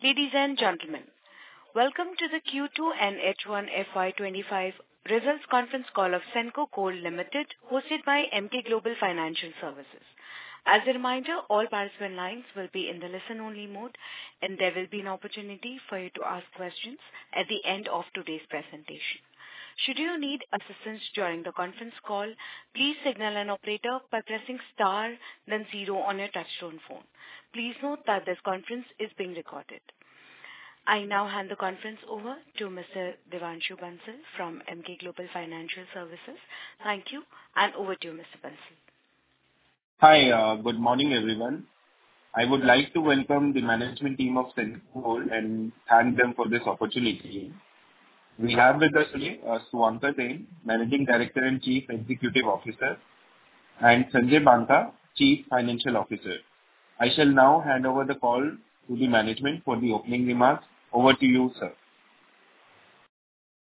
Ladies and gentlemen, welcome to the Q2&H1FY25 Results Conference Call of Senco Gold Limited, hosted by Emkay Global Financial Services. As a reminder, all participant lines will be in the listen-only mode, and there will be an opportunity for you to ask questions at the end of today's presentation. Should you need assistance during the conference call, please signal an operator by pressing star, then zero on your touch-tone phone. Please note that this conference is being recorded. I now hand the conference over to Mr. Devanshu Bansal from Emkay Global Financial Services. Thank you, and over to you, Mr. Bansal. Hi, good morning, everyone. I would like to welcome the management team of Senco Gold and thank them for this opportunity. We have with us today Suvankar Sen, Managing Director and Chief Executive Officer, and Sanjay Banka, Chief Financial Officer. I shall now hand over the call to the management for the opening remarks. Over to you, sir.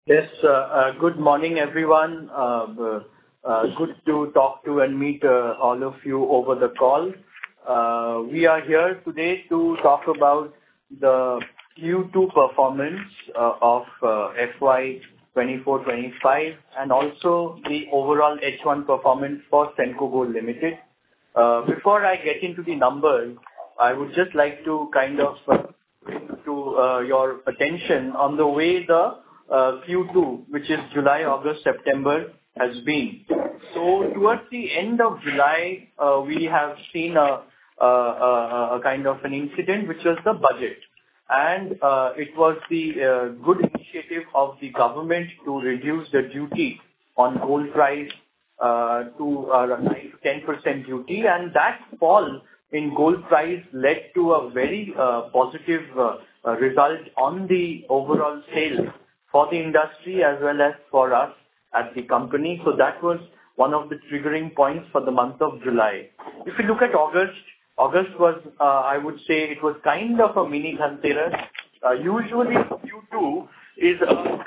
Yes, good morning, everyone. Good to talk to and meet all of you over the call. We are here today to talk about the Q2 performance of FY 2024-25 and also the overall H1 performance for Senco Gold Limited. Before I get into the numbers, I would just like to kind of bring to your attention on the way the Q2, which is July, August, September, has been. So towards the end of July, we have seen a kind of an incident, which was the budget. And it was the good initiative of the government to reduce the duty on gold price to a 9%-10% duty. And that fall in gold price led to a very positive result on the overall sales for the industry as well as for us at the company. So that was one of the triggering points for the month of July. If you look at August, August was, I would say, it was kind of a mini Dhanteras. Usually, Q2 is a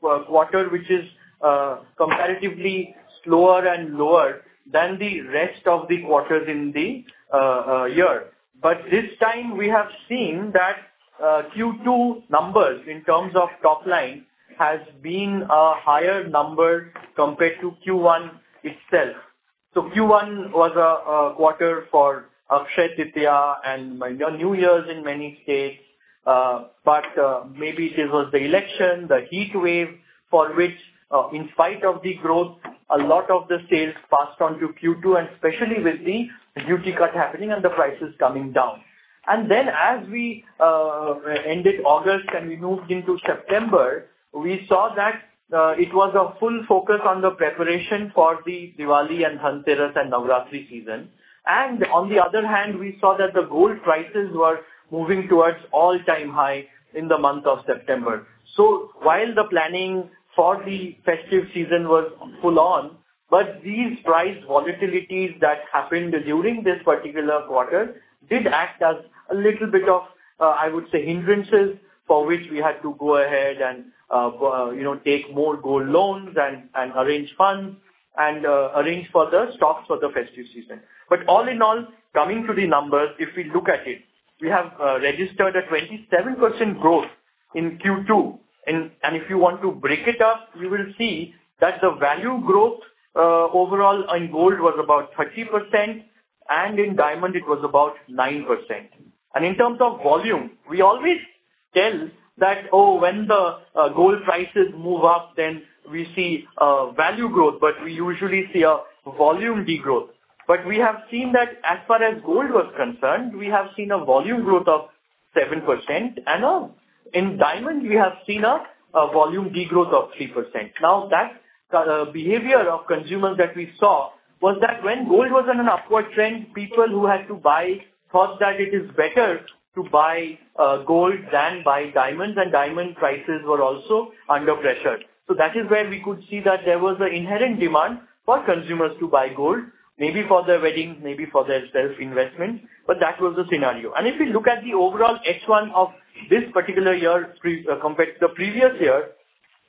quarter which is comparatively slower and lower than the rest of the quarters in the year. But this time, we have seen that Q2 numbers in terms of top line have been a higher number compared to Q1 itself. So Q1 was a quarter for Akshaya Tritiya and New Year's in many states. But maybe this was the election, the heat wave, for which, in spite of the growth, a lot of the sales passed on to Q2, and especially with the duty cut happening and the prices coming down. And then, as we ended August and we moved into September, we saw that it was a full focus on the preparation for the Diwali and Dhanteras and Navratri season. On the other hand, we saw that the gold prices were moving towards all-time high in the month of September. So while the planning for the festive season was full on, these price volatilities that happened during this particular quarter did act as a little bit of, I would say, hindrances for which we had to go ahead and take more gold loans and arrange funds and arrange for the stocks for the festive season. But all in all, coming to the numbers, if we look at it, we have registered a 27% growth in Q2. And if you want to break it up, you will see that the value growth overall in gold was about 30%, and in diamond, it was about 9%. In terms of volume, we always tell that, "Oh, when the gold prices move up, then we see value growth," but we usually see a volume degrowth. We have seen that as far as gold was concerned, we have seen a volume growth of 7%. In diamond, we have seen a volume degrowth of 3%. Now, that behavior of consumers that we saw was that when gold was on an upward trend, people who had to buy thought that it is better to buy gold than buy diamonds, and diamond prices were also under pressure. That is where we could see that there was an inherent demand for consumers to buy gold, maybe for their weddings, maybe for their self-investment. That was the scenario. And if you look at the overall H1 of this particular year compared to the previous year,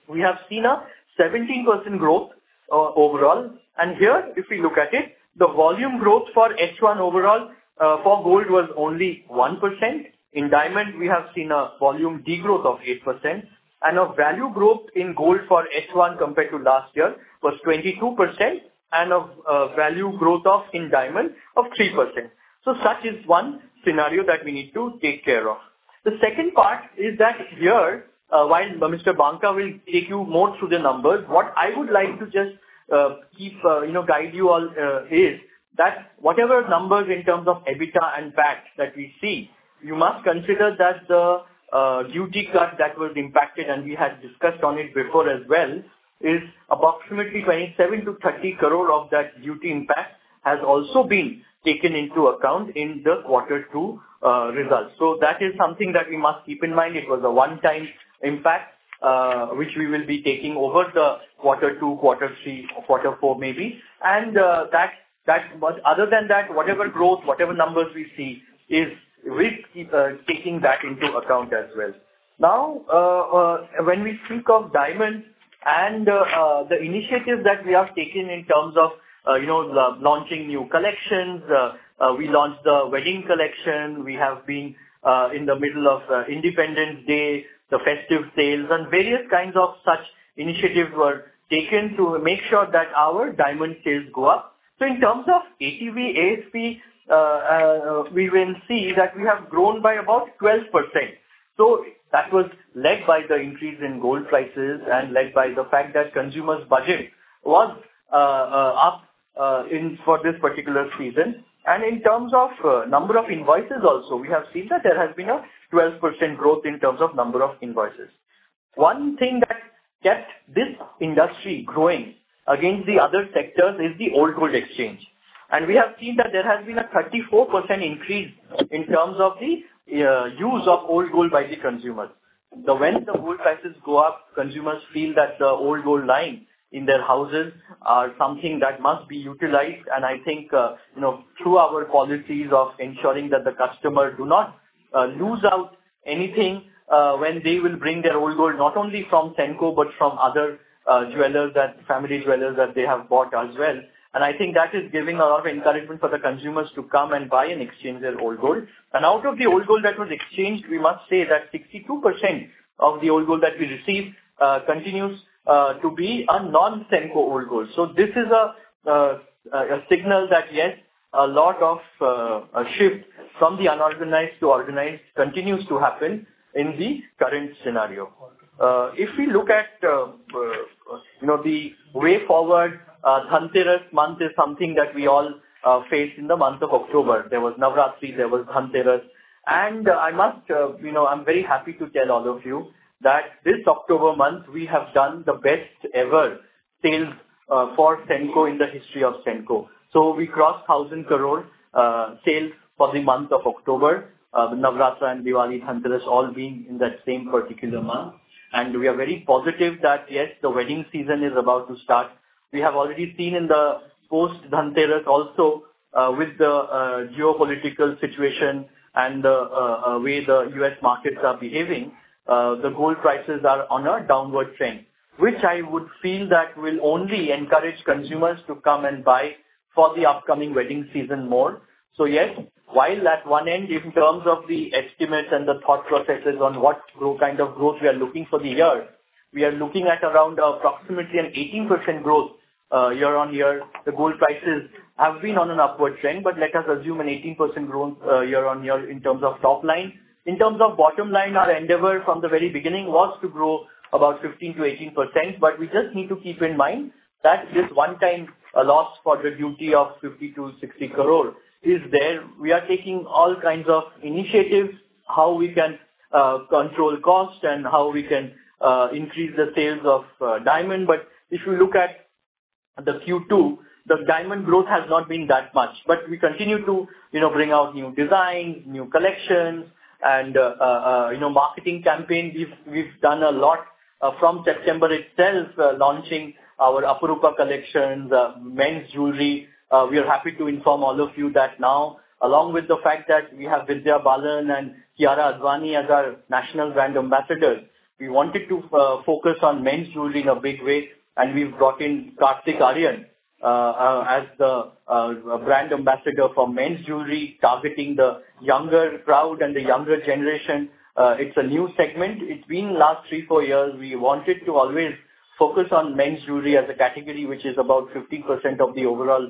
we have seen a 17% growth overall. And here, if we look at it, the volume growth for H1 overall for gold was only 1%. In diamond, we have seen a volume degrowth of 8%. And the value growth in gold for H1 compared to last year was 22%, and the value growth in diamond was 3%. So, such is one scenario that we need to take care of. The second part is that here, while Mr. Banka will take you more through the numbers. What I would like to just keep guiding you all is that whatever numbers in terms of EBITDA and PAT that we see, you must consider that the duty cut that was impacted, and we had discussed on it before as well, is approximately 27-30 crore of that duty impact has also been taken into account in the quarter two results. So that is something that we must keep in mind. It was a one-time impact, which we will be taking over the quarter two, quarter three, quarter four, maybe. And other than that, whatever growth, whatever numbers we see, we're taking that into account as well. Now, when we speak of diamond and the initiatives that we have taken in terms of launching new collections, we launched the wedding collection. We have been in the middle of Independence Day, the festive sales, and various kinds of such initiatives were taken to make sure that our diamond sales go up. So in terms of ATV, ASP, we will see that we have grown by about 12%. So that was led by the increase in gold prices and led by the fact that consumers' budget was up for this particular season. And in terms of number of invoices also, we have seen that there has been a 12% growth in terms of number of invoices. One thing that kept this industry growing against the other sectors is the old gold exchange. And we have seen that there has been a 34% increase in terms of the use of old gold by the consumers. So when the gold prices go up, consumers feel that the old gold lying in their houses is something that must be utilized. And I think through our policies of ensuring that the customers do not lose out on anything when they will bring their old gold, not only from Senco but from other jewelers, family jewelers that they have bought as well. And I think that is giving a lot of encouragement for the consumers to come and buy and exchange their old gold. And out of the old gold that was exchanged, we must say that 62% of the old gold that we received continues to be a non-Senco old gold. So this is a signal that, yes, a lot of shift from the unorganized to organized continues to happen in the current scenario. If we look at the way forward, Dhanteras month is something that we all face in the month of October. There was Navratri, there was Dhanteras. And I must, I'm very happy to tell all of you that this October month, we have done the best-ever sales for Senco in the history of Senco. So we crossed 1,000 crore sales for the month of October, Navratri and Diwali, Dhanteras, all being in that same particular month. And we are very positive that, yes, the wedding season is about to start. We have already seen in the post-Dhanteras also, with the geopolitical situation and the way the U.S. markets are behaving, the gold prices are on a downward trend, which I would feel that will only encourage consumers to come and buy for the upcoming wedding season more. So yes, while at one end, in terms of the estimates and the thought processes on what kind of growth we are looking for the year, we are looking at around approximately an 18% growth year on year. The gold prices have been on an upward trend, but let us assume an 18% growth year on year in terms of top line. In terms of bottom line, our endeavor from the very beginning was to grow about 15%-18%. But we just need to keep in mind that this one-time loss for the duty of 50-60 crore is there. We are taking all kinds of initiatives, how we can control costs and how we can increase the sales of diamond. But if you look at the Q2, the diamond growth has not been that much. But we continue to bring out new designs, new collections, and marketing campaigns. We've done a lot from September itself, launching our Aparupa collections, men's jewelry. We are happy to inform all of you that now, along with the fact that we have Vidya Balan and Kiara Advani as our national brand ambassadors, we wanted to focus on men's jewelry in a big way. And we've brought in Kartik Aaryan as the brand ambassador for men's jewelry, targeting the younger crowd and the younger generation. It's a new segment. It's been the last three, four years. We wanted to always focus on men's jewelry as a category, which is about 15% of the overall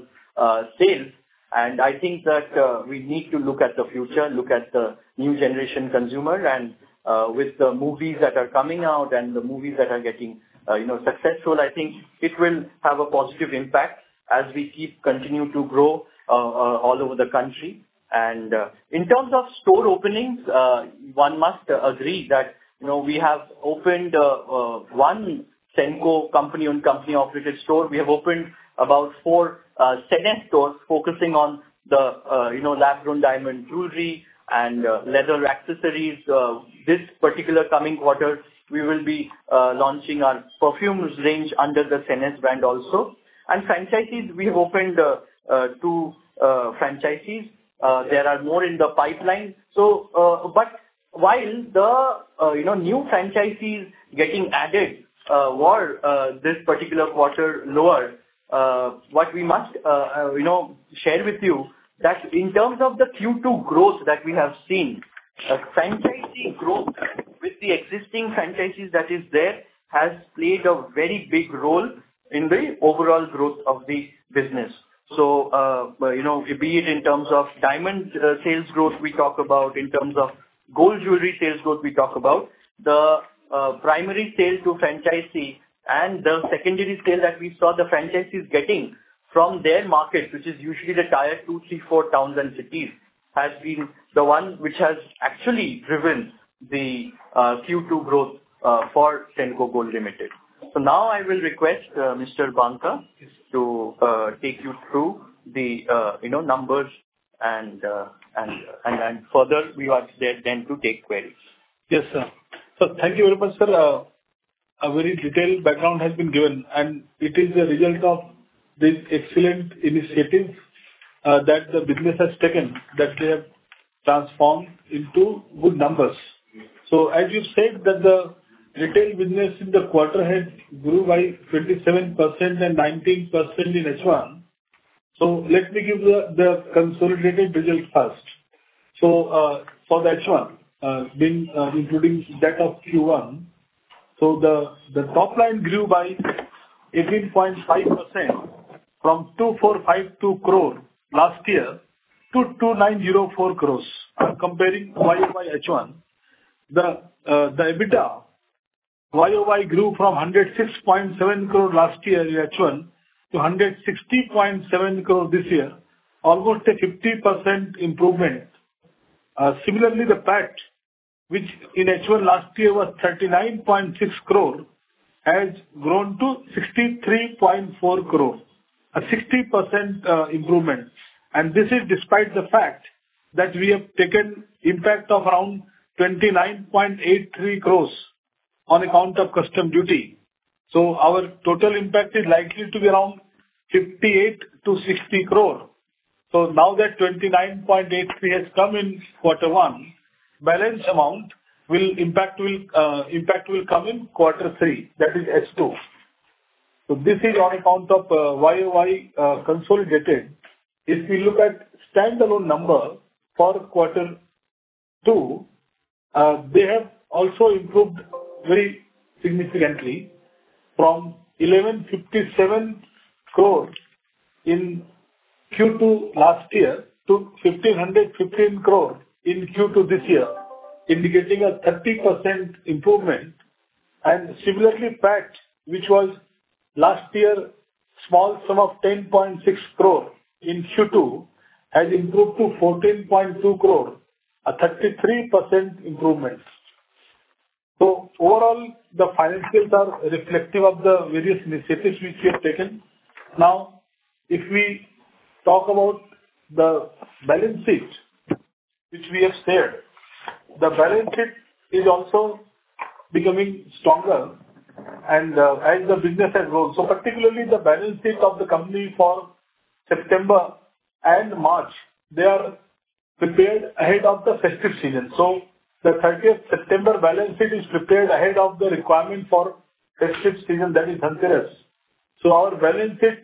sales. And I think that we need to look at the future, look at the new generation consumer. And with the movies that are coming out and the movies that are getting successful, I think it will have a positive impact as we keep continuing to grow all over the country. And in terms of store openings, one must agree that we have opened one Senco company-owned company-operated store. We have opened about four Sennes stores focusing on the lab-grown diamond jewelry and leather accessories. This particular coming quarter, we will be launching our perfumes range under the Sennes brand also. And franchisees, we have opened two franchisees. There are more in the pipeline. But while the new franchisees getting added were this particular quarter lower, what we must share with you is that in terms of the Q2 growth that we have seen, franchisee growth with the existing franchisees that is there has played a very big role in the overall growth of the business. So, be it in terms of diamond sales growth we talk about, in terms of gold jewelry sales growth we talk about, the primary sale to franchisee and the secondary sale that we saw the franchisees getting from their markets, which is usually the tier two, three, four towns and cities, has been the one which has actually driven the Q2 growth for Senco Gold Limited. So now I will request Mr. Banka to take you through the numbers and further we are there then to take queries. Yes, sir. So thank you very much, sir. A very detailed background has been given. It is the result of this excellent initiative that the business has taken that they have transformed into good numbers. So as you've said, the retail business in the quarter has grew by 27% and 19% in H1. So let me give the consolidated result first. So for the H1, including that of Q1, so the top line grew by 18.5% from 2,452 crore last year to 2,904 crore. I'm comparing YOY H1. The EBITDA, YOY grew from 106.7 crore last year in H1 to 160.7 crore this year, almost a 50% improvement. Similarly, the PAT, which in H1 last year was 39.6 crore, has grown to 63.4 crore, a 60% improvement. This is despite the fact that we have taken impact of around 29.83 crore on account of customs duty. So our total impact is likely to be around 58-60 crore. So now that 29.83 crore has come in quarter one, balance amount impact will come in quarter three, that is Q2. So this is on account of YoY consolidated. If we look at standalone number for quarter two, they have also improved very significantly from 1,157 crore in Q2 last year to 1,515 crore in Q2 this year, indicating a 30% improvement. And similarly, PAT, which was last year a small sum of 10.6 crore in Q2, has improved to 14.2 crore, a 33% improvement. So overall, the financials are reflective of the various initiatives which we have taken. Now, if we talk about the balance sheet which we have shared, the balance sheet is also becoming stronger as the business has grown. So particularly, the balance sheet of the company for September and March, they are prepared ahead of the festive season. So the 30th September balance sheet is prepared ahead of the requirement for festive season, that is Dhanteras. So our balance sheet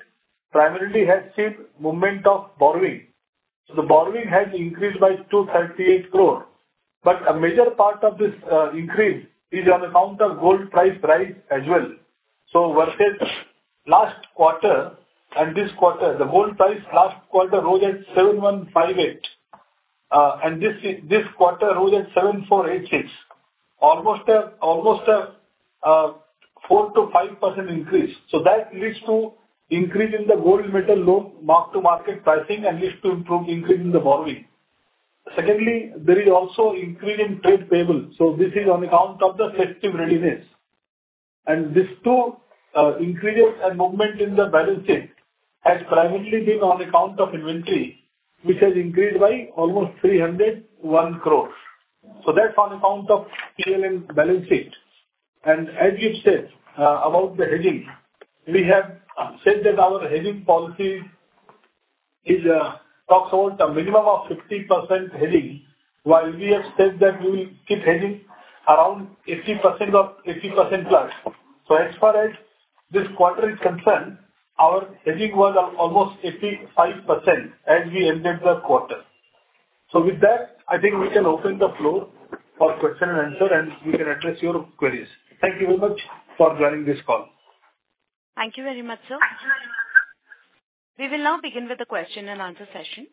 primarily has seen movement of borrowing. So the borrowing has increased by 238 crore. But a major part of this increase is on account of gold price rise as well. So versus last quarter and this quarter, the gold price last quarter rose at 7,158. And this quarter rose at 7,486, almost a 4%-5% increase. So that leads to increase in the gold metal loan mark-to-market pricing and leads to improved increase in the borrowing. Secondly, there is also increase in trade payable. So this is on account of the festive readiness. These two increases and movement in the balance sheet has primarily been on account of inventory, which has increased by almost 301 crore. So that's on account of PLN balance sheet. And as you've said about the hedging, we have said that our hedging policy talks about a minimum of 50% hedging, while we have said that we will keep hedging around 80% or 80% plus. So as far as this quarter is concerned, our hedging was almost 85% as we ended the quarter. So with that, I think we can open the floor for question and answer, and we can address your queries. Thank you very much for joining this call. Thank you very much, sir. We will now begin with the question and answer session.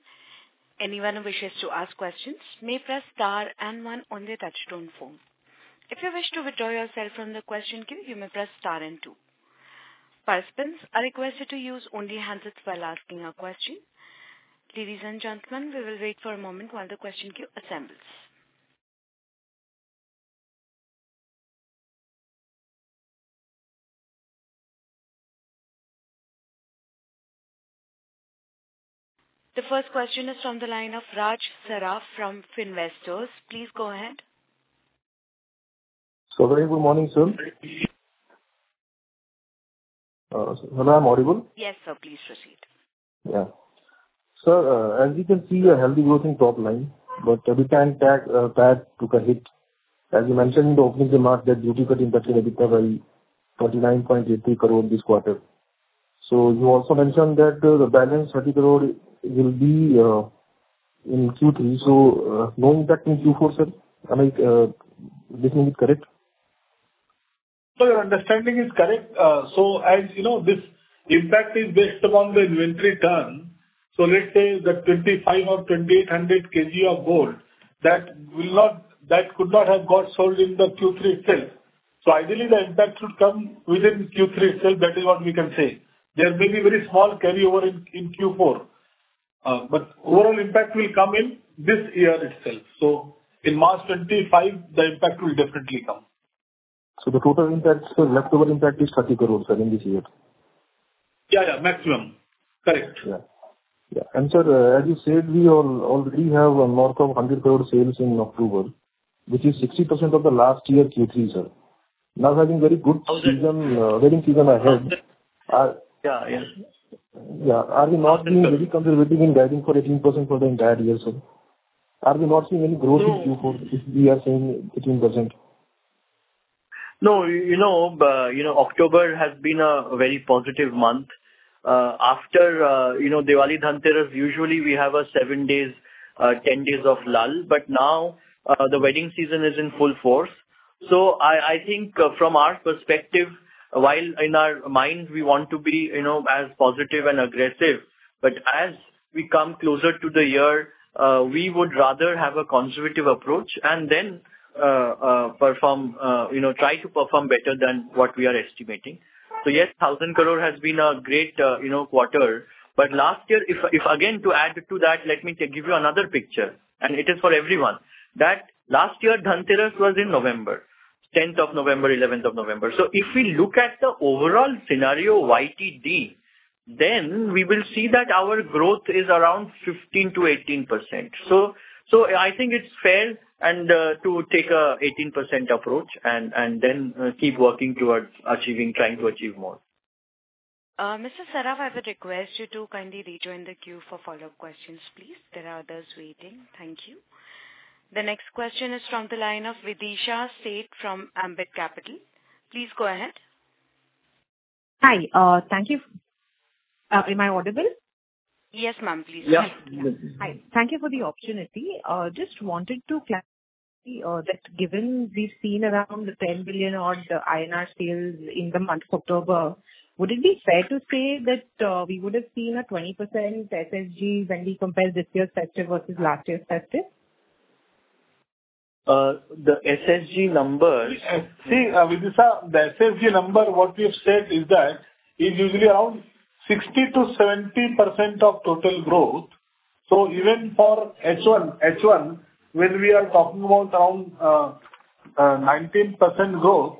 Anyone who wishes to ask questions may press star and one on the touchtone phone. If you wish to withdraw yourself from the question queue, you may press star and two. Participants are requested to use only handsets while asking a question. Ladies and gentlemen, we will wait for a moment while the question queue assembles. The first question is from the line of Raj Saraf from Finvestors. Please go ahead. So very good morning, sir. Hello, I'm Audible. Yes, sir, please proceed. Yeah. Sir, as you can see, a healthy growth in top line, but every time PAT took a hit. As you mentioned in the opening remark, that duty cut impacted EBITDA by INR 29.83 crore this quarter. So you also mentioned that the balance 30 crore will be in Q3. So no impact in Q4, sir? Am I listening it correct? Your understanding is correct. As you know, this impact is based upon the inventory term. Let's say that 25 or 2,800 kg of gold, that could not have got sold in the Q3 itself. Ideally, the impact should come within Q3 itself. That is what we can say. There may be very small carryover in Q4. But overall impact will come in this year itself. In March 2025, the impact will definitely come. The total impact, sir, leftover impact is 30 crore, sir, in this year. Yeah, yeah, maximum. Correct. Yeah. And sir, as you said, we already have north of 100 crore sales in October, which is 60% of the last year Q3, sir. Now having very good wedding season ahead, are we not being very conservative in guiding for 18% for the entire year, sir? Are we not seeing any growth in Q4 if we are saying 18%? No, you know October has been a very positive month. After Diwali, Dhanteras, usually we have a seven days, 10 days of lull. But now the wedding season is in full force. So I think from our perspective, while in our mind, we want to be as positive and aggressive. But as we come closer to the year, we would rather have a conservative approach and then try to perform better than what we are estimating. So yes, 1,000 crore has been a great quarter. But last year, if again to add to that, let me give you another picture. And it is for everyone. That last year, Dhanteras was in November, 10th of November, 11th of November. So if we look at the overall scenario YTD, then we will see that our growth is around 15%-18%. So I think it's fair to take an 18% approach and then keep working towards achieving, trying to achieve more. Mr. Saraf, I would request you to kindly rejoin the queue for follow-up questions, please. There are others waiting. Thank you. The next question is from the line of Videesha Sheth from Ambit Capital. Please go ahead. Hi. Thank you. Am I audible? Yes, ma'am, please. Yes. Thank you for the opportunity. Just wanted to clarify that given we've seen around the 10 billion INR-odd sales in the month of October, would it be fair to say that we would have seen a 20% SSG when we compare this year's festive versus last year's festive? The SSG number, see, Vidisha, the SSG number, what we have said is that it's usually around 60%-70% of total growth. So even for H1, when we are talking about around 19%-20% growth,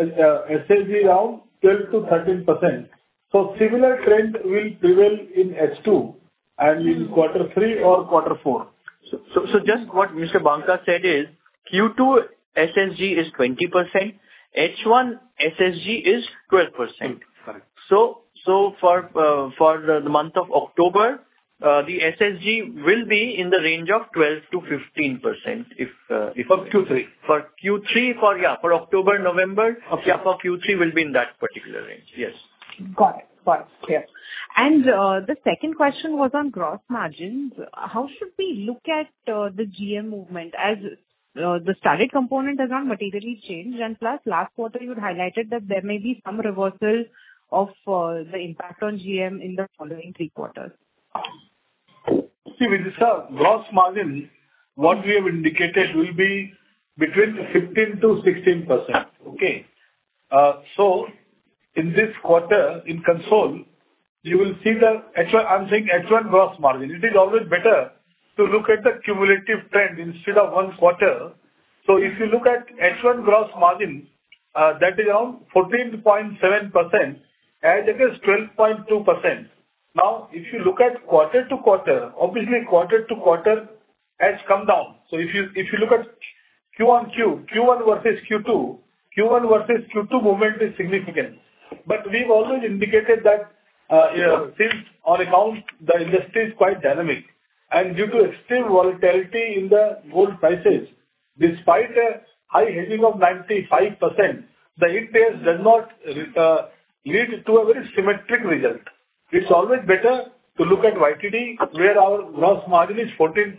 SSG around 12%-13%. So similar trend will prevail in S2 and in quarter three or quarter four. So just what Mr. Banka said is Q2 SSG is 20%. H1 SSG is 12%. So for the month of October, the SSG will be in the range of 12%-15% if. For Q3. For Q3, yeah, for October, November, Q3 will be in that particular range. Yes. Got it. Got it. Yes. And the second question was on gross margins. How should we look at the GM movement as the studded component has not materially changed? And plus, last quarter, you had highlighted that there may be some reversal of the impact on GM in the following three quarters. See, Vidisha, gross margin, what we have indicated will be between 15%-16%. Okay. So in this quarter, in consolidated, you will see the H1, I'm saying H1 gross margin. It is always better to look at the cumulative trend instead of one quarter. So if you look at H1 gross margin, that is around 14.7% as it is 12.2%. Now, if you look at quarter to quarter, obviously quarter to quarter has come down. So if you look at Q1 versus Q2, Q1 versus Q2 movement is significant. But we've always indicated that since on account the industry is quite dynamic. And due to extreme volatility in the gold prices, despite a high hedging of 95%, the ETS does not lead to a very symmetric result. It's always better to look at YTD where our gross margin is 14.7%.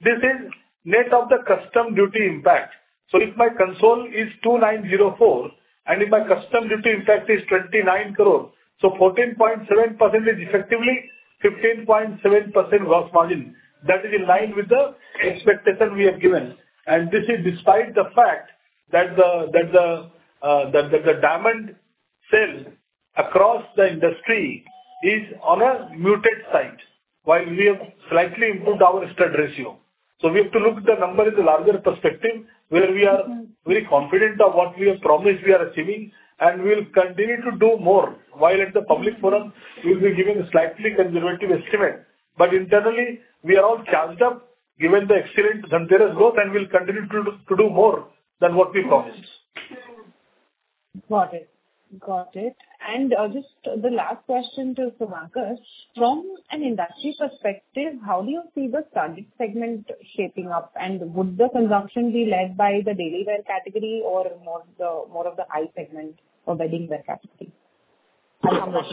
This is net of the customs duty impact. So if my consol is 2904 and if my customs duty impact is 29 crore, so 14.7% is effectively 15.7% gross margin. That is in line with the expectation we have given. And this is despite the fact that the diamond sale across the industry is on a muted side, while we have slightly improved our stud ratio. So we have to look at the number in the larger perspective where we are very confident of what we have promised we are achieving. And we will continue to do more while at the public forum, we will be giving a slightly conservative estimate. But internally, we are all charged up given the excellent Dhanteras growth, and we will continue to do more than what we promised. Got it. Got it. And just the last question to Mr. Banka, from an industry perspective, how do you see the target segment shaping up? And would the consumption be led by the daily wear category or more of the high segment or wedding wear category? What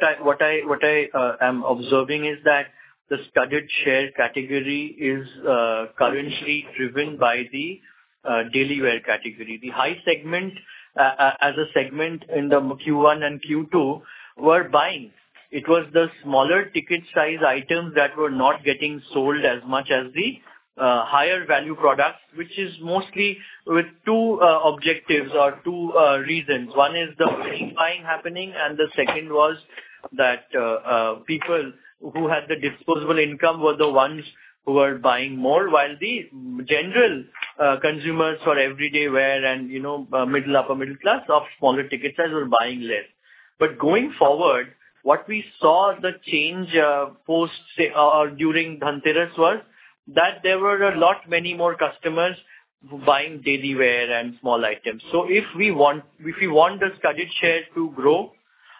I am observing is that the studded share category is currently driven by the daily wear category. The high segment as a segment in the Q1 and Q2 were buying. It was the smaller ticket size items that were not getting sold as much as the higher value products, which is mostly with two objectives or two reasons. One is the buying happening, and the second was that people who had the disposable income were the ones who were buying more, while the general consumers for everyday wear and middle upper middle class of smaller ticket size were buying less. But going forward, what we saw the change during Dhanteras was that there were a lot many more customers buying daily wear and small items. So if we want the studded share to grow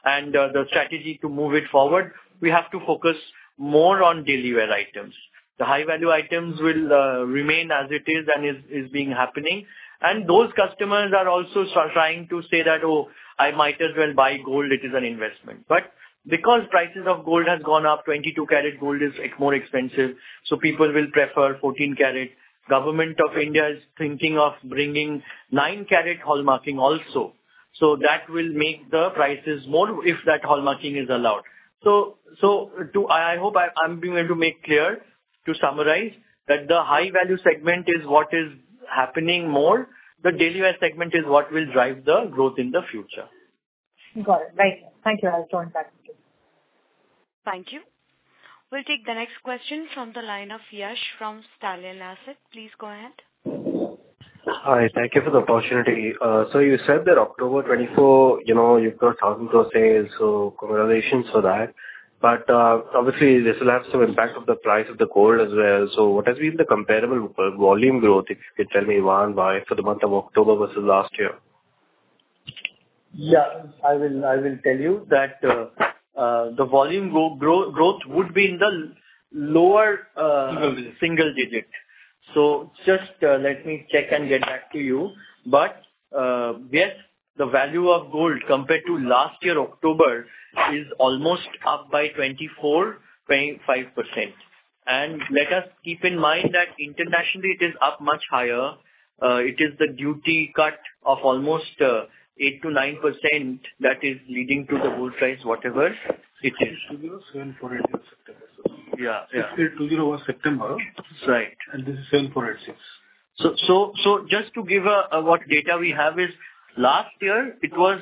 and the strategy to move it forward, we have to focus more on daily wear items. The high value items will remain as it is and is being happening. And those customers are also trying to say that, "Oh, I might as well buy gold. It is an investment." But because prices of gold have gone up, 22 carat gold is more expensive. So people will prefer 14 carat. Government of India is thinking of bringing 9 carat hallmarking also. So that will make the prices more if that hallmarking is allowed. So I hope I'm going to make clear to summarize that the high value segment is what is happening more. The daily wear segment is what will drive the growth in the future. Got it. Right. Thank you, I'll join back. Thank you. We'll take the next question from the line of Yash from Stallion Asset. Please go ahead. All right. Thank you for the opportunity. So you said that October 24, you've got 1,000 crore sales. So congratulations for that. But obviously, this will have some impact on the price of the gold as well. So what has been the comparable volume growth, if you could tell me, for the month of October versus last year? Yeah. I will tell you that the volume growth would be in the lower single digit. So just let me check and get back to you. But yes, the value of gold compared to last year, October, is almost up by 24-25%. And let us keep in mind that internationally, it is up much higher. It is the duty cut of almost 8-9% that is leading to the gold price, whatever it is. 207486 September. Yeah. It's still 21 September. Right. This is 7486. So just to give what data we have is last year, it was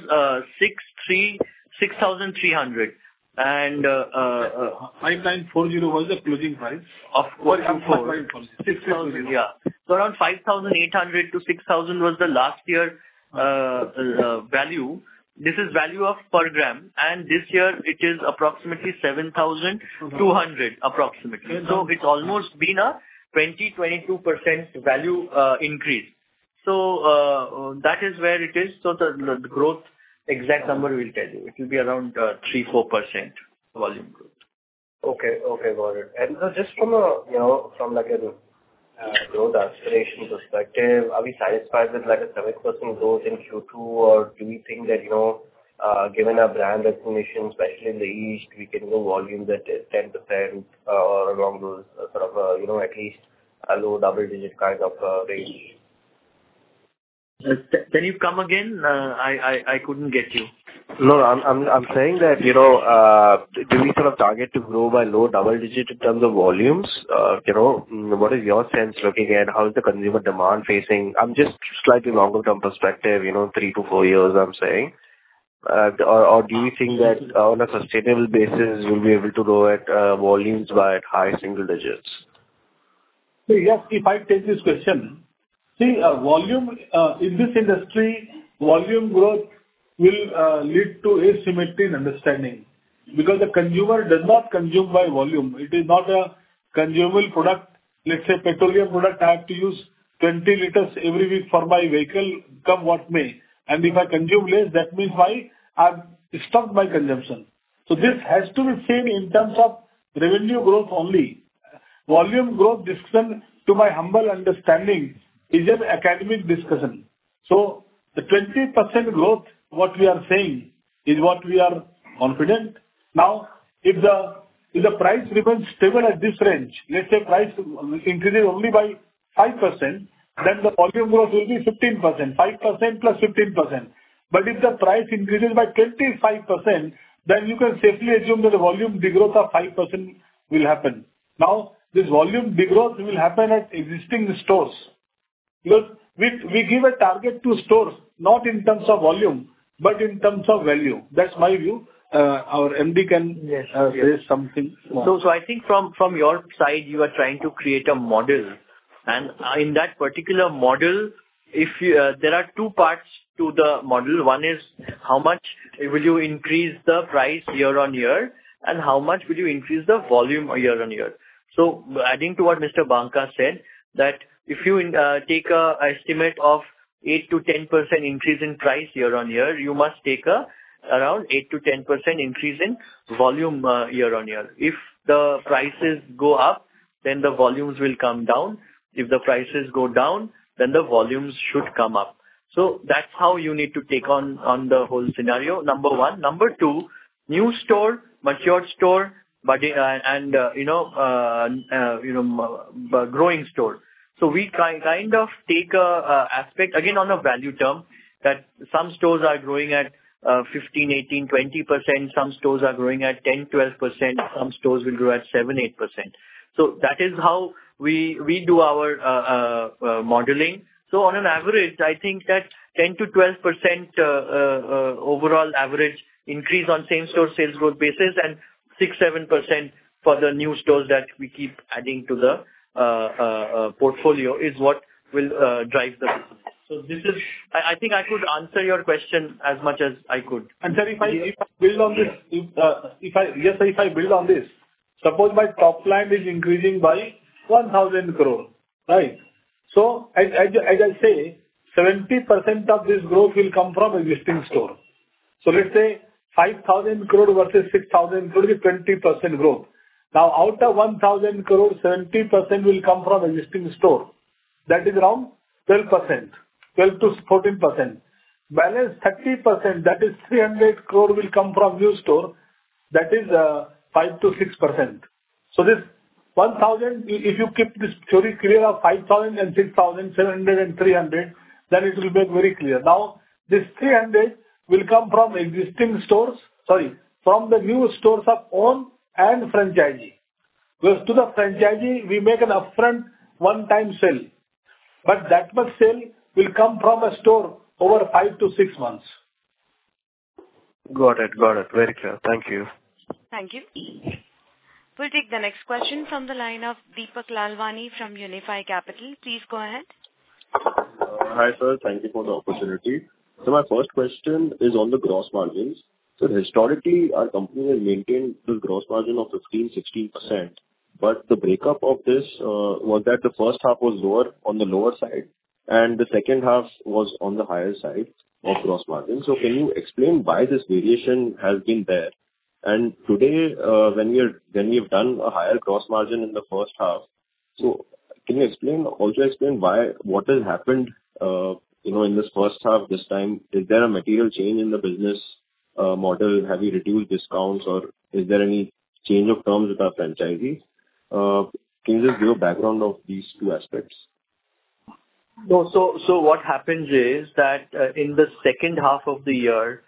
6,300. 5940 was the closing price? Of course. 5940. 6,000. Yeah. So around 5,800 to 6,000 was the last year value. This is value of per gram. And this year, it is approximately 7,200 approximately. So it's almost been a 20-22% value increase. So that is where it is. So the growth exact number we'll tell you. It will be around 3-4% volume growth. Okay. Okay. Got it. And just from a growth aspiration perspective, are we satisfied with a 7% growth in Q2, or do we think that given our brand recognition, especially in the East, we can go volume that is 10% or along those sort of at least a low double digit kind of range? Can you come again? I couldn't get you. No, I'm saying that, do we sort of target to grow by low double digit in terms of volumes? What is your sense looking at? How is the consumer demand facing? I'm just slightly longer term perspective, three to four years, I'm saying. Or do you think that on a sustainable basis, we'll be able to grow at volumes by high single digits? Yes, if I take this question, see, in this industry, volume growth will lead to asymmetry in understanding because the consumer does not consume by volume. It is not a consumable product. Let's say petroleum product, I have to use 20 liters every week for my vehicle come what may. And if I consume less, that means why I've stopped my consumption. So this has to be seen in terms of revenue growth only. Volume growth discussion to my humble understanding is an academic discussion. So the 20% growth, what we are saying is what we are confident. Now, if the price remains stable at this range, let's say price increases only by 5%, then the volume growth will be 15%, 5% plus 15%. But if the price increases by 25%, then you can safely assume that the volume degrowth of 5% will happen. Now, this volume degrowth will happen at existing stores because we give a target to stores, not in terms of volume, but in terms of value. That's my view. Our MD can say something. So I think from your side, you are trying to create a model. And in that particular model, there are two parts to the model. One is how much will you increase the price year on year and how much will you increase the volume year on year. So adding to what Mr. Banka said, that if you take an estimate of 8%-10% increase in price year on year, you must take around 8%-10% increase in volume year on year. If the prices go up, then the volumes will come down. If the prices go down, then the volumes should come up. That's how you need to take on the whole scenario, number one. Number two, new store, matured store, and growing store. So we kind of take an aspect, again, on a value term, that some stores are growing at 15%, 18%, 20%. Some stores are growing at 10%, 12%. Some stores will grow at 7%, 8%. So that is how we do our modeling. So on an average, I think that 10%-12% overall average increase on same store sales growth basis and 6%-7% for the new stores that we keep adding to the portfolio is what will drive the growth. So I think I could answer your question as much as I could. And if I build on this, yes, if I build on this, suppose my top line is increasing by 1,000 crore, right? So as I say, 70% of this growth will come from existing store. So let's say 5,000 crore versus 6,000 crore is 20% growth. Now, out of 1,000 crore, 70% will come from existing store. That is around 12%-14%. Balance 30%, that is 300 crore will come from new store. That is 5%-6%. So this 1,000, if you keep this theory clear of 5,000 and 6,700 and 300, then it will be very clear. Now, this 300 will come from existing stores, sorry, from the new stores of own and franchise. Because to the franchise, we make an upfront one-time sale. But that much sale will come from a store over five to six months. Got it. Got it. Very clear. Thank you. Thank you. We'll take the next question from the line of Deepak Lalwani from Unifi Capital. Please go ahead. Hi, sir. Thank you for the opportunity. So my first question is on the gross margins. So historically, our company has maintained the gross margin of 15%-16%. But the breakup of this, was that the first half was lower on the lower side and the second half was on the higher side of gross margin? So can you explain why this variation has been there? And today, when we have done a higher gross margin in the first half, so can you also explain what has happened in this first half this time? Is there a material change in the business model? Have we reduced discounts or is there any change of terms with our franchisee? Can you just give a background of these two aspects? No. So what happens is that in the second half of the year,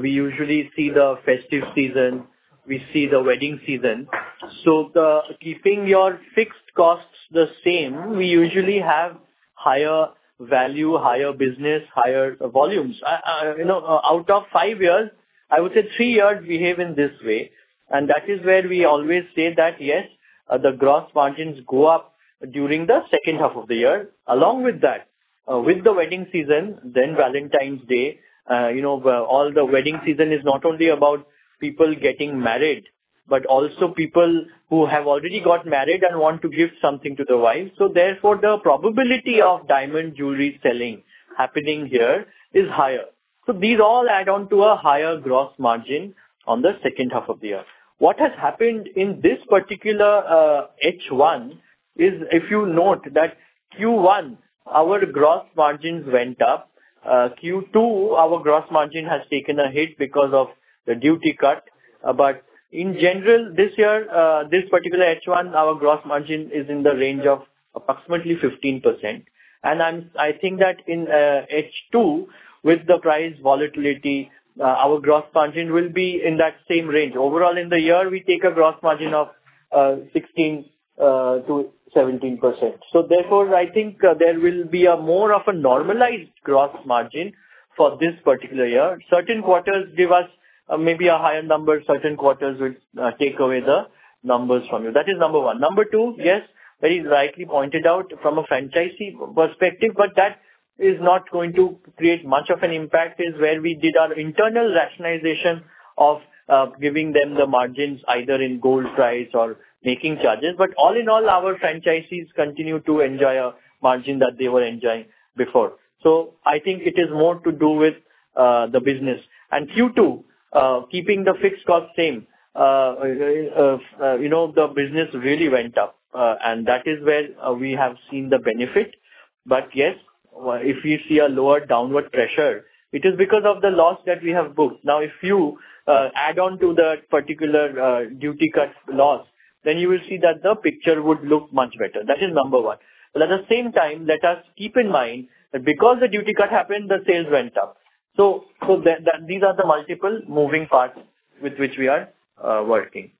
we usually see the festive season. We see the wedding season. So keeping your fixed costs the same, we usually have higher value, higher business, higher volumes. Out of five years, I would say three years behave in this way. And that is where we always say that, yes, the gross margins go up during the second half of the year. Along with that, with the wedding season, then Valentine's Day, all the wedding season is not only about people getting married, but also people who have already got married and want to give something to the wife. So therefore, the probability of diamond jewelry selling happening here is higher. So these all add on to a higher gross margin on the second half of the year. What has happened in this particular H1 is if you note that Q1, our gross margins went up. Q2, our gross margin has taken a hit because of the duty cut, but in general, this year, this particular H1, our gross margin is in the range of approximately 15%. And I think that in H2, with the price volatility, our gross margin will be in that same range. Overall, in the year, we take a gross margin of 16%-17%, so therefore, I think there will be more of a normalized gross margin for this particular year. Certain quarters give us maybe a higher number. Certain quarters will take away the numbers from you. That is number one. Number two, yes, very likely pointed out from a franchisee perspective, but that is not going to create much of an impact is where we did our internal rationalization of giving them the margins either in gold price or making charges, but all in all, our franchisees continue to enjoy a margin that they were enjoying before, so I think it is more to do with the business, and Q2, keeping the fixed cost same, the business really went up, and that is where we have seen the benefit, but yes, if you see a lower downward pressure, it is because of the loss that we have booked. Now, if you add on to the particular duty cut loss, then you will see that the picture would look much better. That is number one. But at the same time, let us keep in mind that because the duty cut happened, the sales went up. So these are the multiple moving parts with which we are working.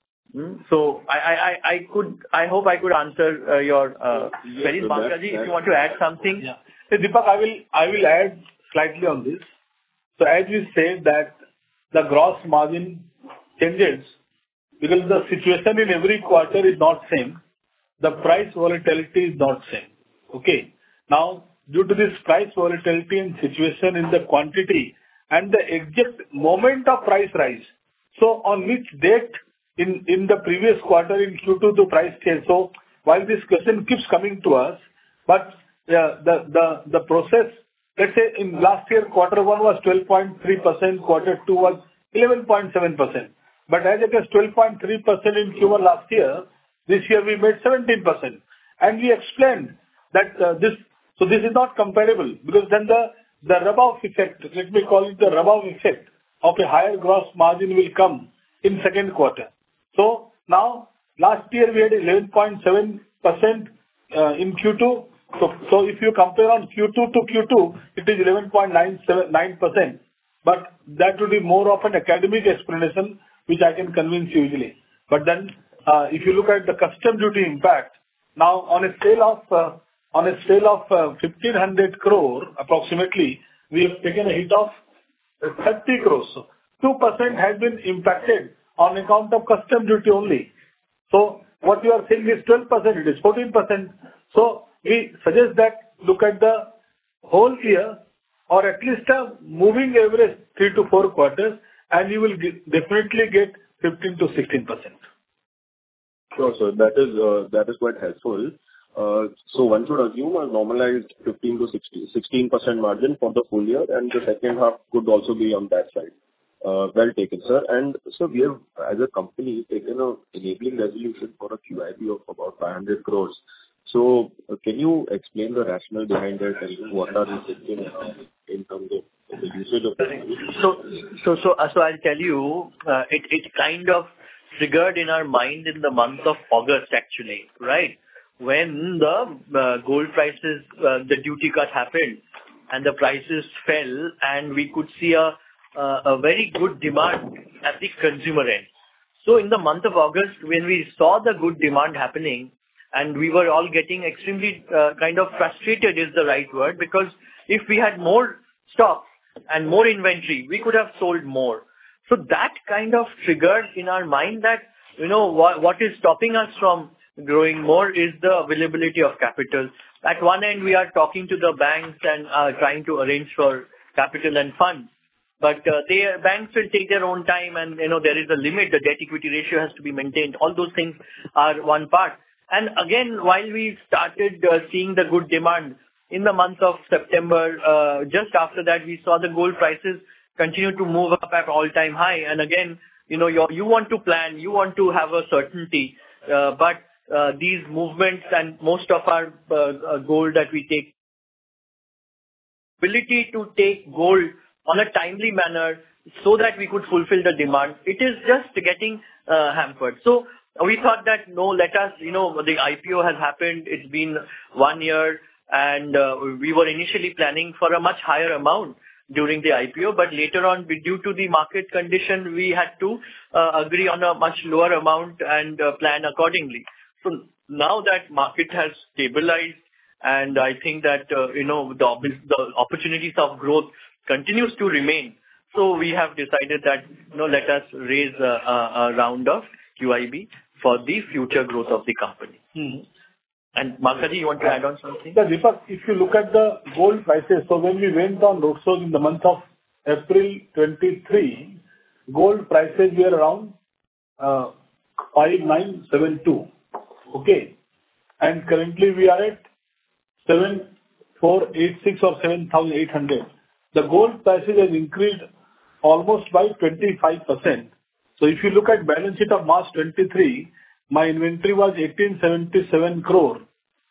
So I hope I could answer your question. Very much. If you want to add something. Deepak, I will add slightly on this. So as you said that the gross margin changes because the situation in every quarter is not same. The price volatility is not same. Okay. Now, due to this price volatility and situation in the quantity and the exact moment of price rise, so on which date in the previous quarter in Q2 the price changed? So while this question keeps coming to us, but the process, let's say in last year, quarter one was 12.3%. Quarter two was 11.7%. But as it is 12.3% in Q1 last year, this year we made 17%. We explained that this. So this is not compatible because then the rub-off effect, let me call it the rub-off effect of a higher gross margin will come in second quarter. So now, last year, we had 11.7% in Q2. So if you compare on Q2 to Q2, it is 11.9%. But that would be more of an academic explanation, which I can convince you easily. But then if you look at the customs duty impact, now on a scale of 1,500 crore approximately, we have taken a hit of 30 crores. 2% has been impacted on account of customs duty only. So what you are saying is 12%. It is 14%. So we suggest that look at the whole year or at least a moving average three to four quarters, and you will definitely get 15%-16%. Sure, sir. That is quite helpful. So one could assume a normalized 15%-16% margin for the full year, and the second half could also be on that side. Well taken, sir. And sir, we have as a company taken an enabling resolution for a QIP of about 500 crores. So can you explain the rationale behind that? What are you thinking in terms of the usage of that? So I'll tell you, it kind of triggered in our mind in the month of August, actually, right? When the gold prices, the duty cut happened and the prices fell, and we could see a very good demand at the consumer end. So in the month of August, when we saw the good demand happening and we were all getting extremely kind of frustrated is the right word because if we had more stock and more inventory, we could have sold more. So that kind of triggered in our mind that what is stopping us from growing more is the availability of capital. At one end, we are talking to the banks and trying to arrange for capital and funds. But banks will take their own time, and there is a limit. The debt-equity ratio has to be maintained. All those things are one part. Again, while we started seeing the good demand in the month of September, just after that, we saw the gold prices continue to move up at all-time high. Again, you want to plan. You want to have a certainty. But these movements and most of our gold that we take, ability to take gold on a timely manner so that we could fulfill the demand, it is just getting hampered. So we thought that, no, let us, the IPO has happened. It's been one year, and we were initially planning for a much higher amount during the IPO. But later on, due to the market condition, we had to agree on a much lower amount and plan accordingly. So now that market has stabilized, and I think that the opportunities of growth continues to remain, so we have decided that, no, let us raise a round of QIP for the future growth of the company. And Sanjay, you want to add on something? Yeah. Deepak, if you look at the gold prices, so when we went on roadshow in the month of April 2023, gold prices were around 5,972. Okay. And currently, we are at 7,486 or 7,800. The gold prices have increased almost by 25%. So if you look at balance sheet of March 2023, my inventory was 1,877 crore.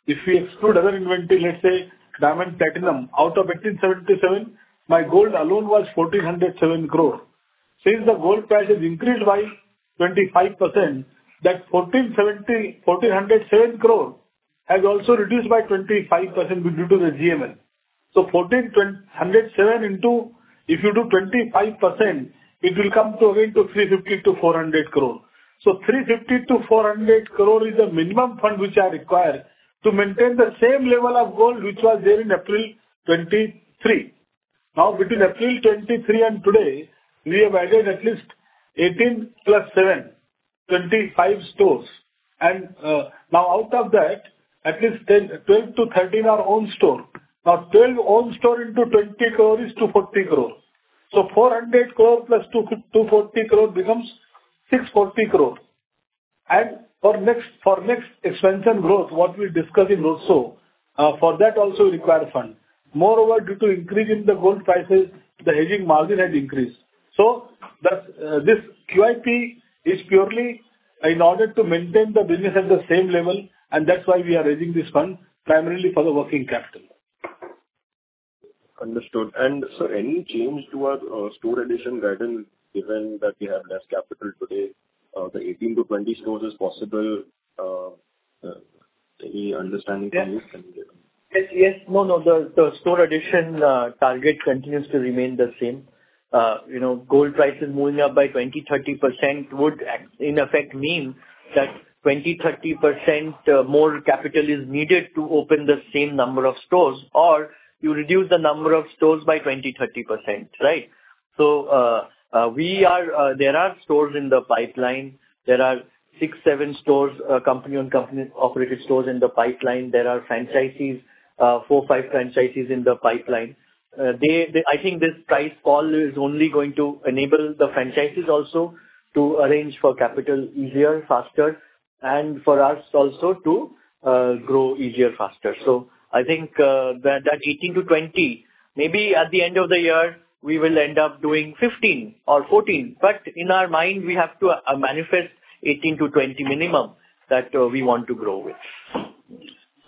If we exclude other inventory, let's say diamond platinum, out of 1,877, my gold alone was 1,407 crore. Since the gold price has increased by 25%, that 1,407 crore has also reduced by 25% due to the GML. So 1,407 into if you do 25%, it will come to again to 350-400 crore. So 350-400 crore is the minimum fund which I require to maintain the same level of gold which was there in April 2023. Now, between April 23 and today, we have added at least 18 plus 7, 25 stores. And now, out of that, at least 12-13 are owned stores. Now, 12 owned stores into 20 crore is to 40 crore. So 400 crore plus 240 crore becomes 640 crore. And for next expansion growth, what we're discussing also, for that also requires fund. Moreover, due to increase in the gold prices, the hedging margin has increased. So this QIP is purely in order to maintain the business at the same level, and that's why we are raising this fund primarily for the working capital. Understood. Sir, any change to our store addition guidance given that we have less capital today? The 18-20 stores is possible. Any understanding from this? Yes. No, no. The store addition target continues to remain the same. Gold prices moving up by 20%-30% would in effect mean that 20%-30% more capital is needed to open the same number of stores or you reduce the number of stores by 20%-30%, right? So there are stores in the pipeline. There are six-seven company and company-operated stores in the pipeline. There are franchisees, four-five franchisees in the pipeline. I think this price fall is only going to enable the franchisees also to arrange for capital easier, faster, and for us also to grow easier, faster. So I think that 18-20, maybe at the end of the year, we will end up doing 15 or 14. But in our mind, we have to manifest 18-20 minimum that we want to grow with.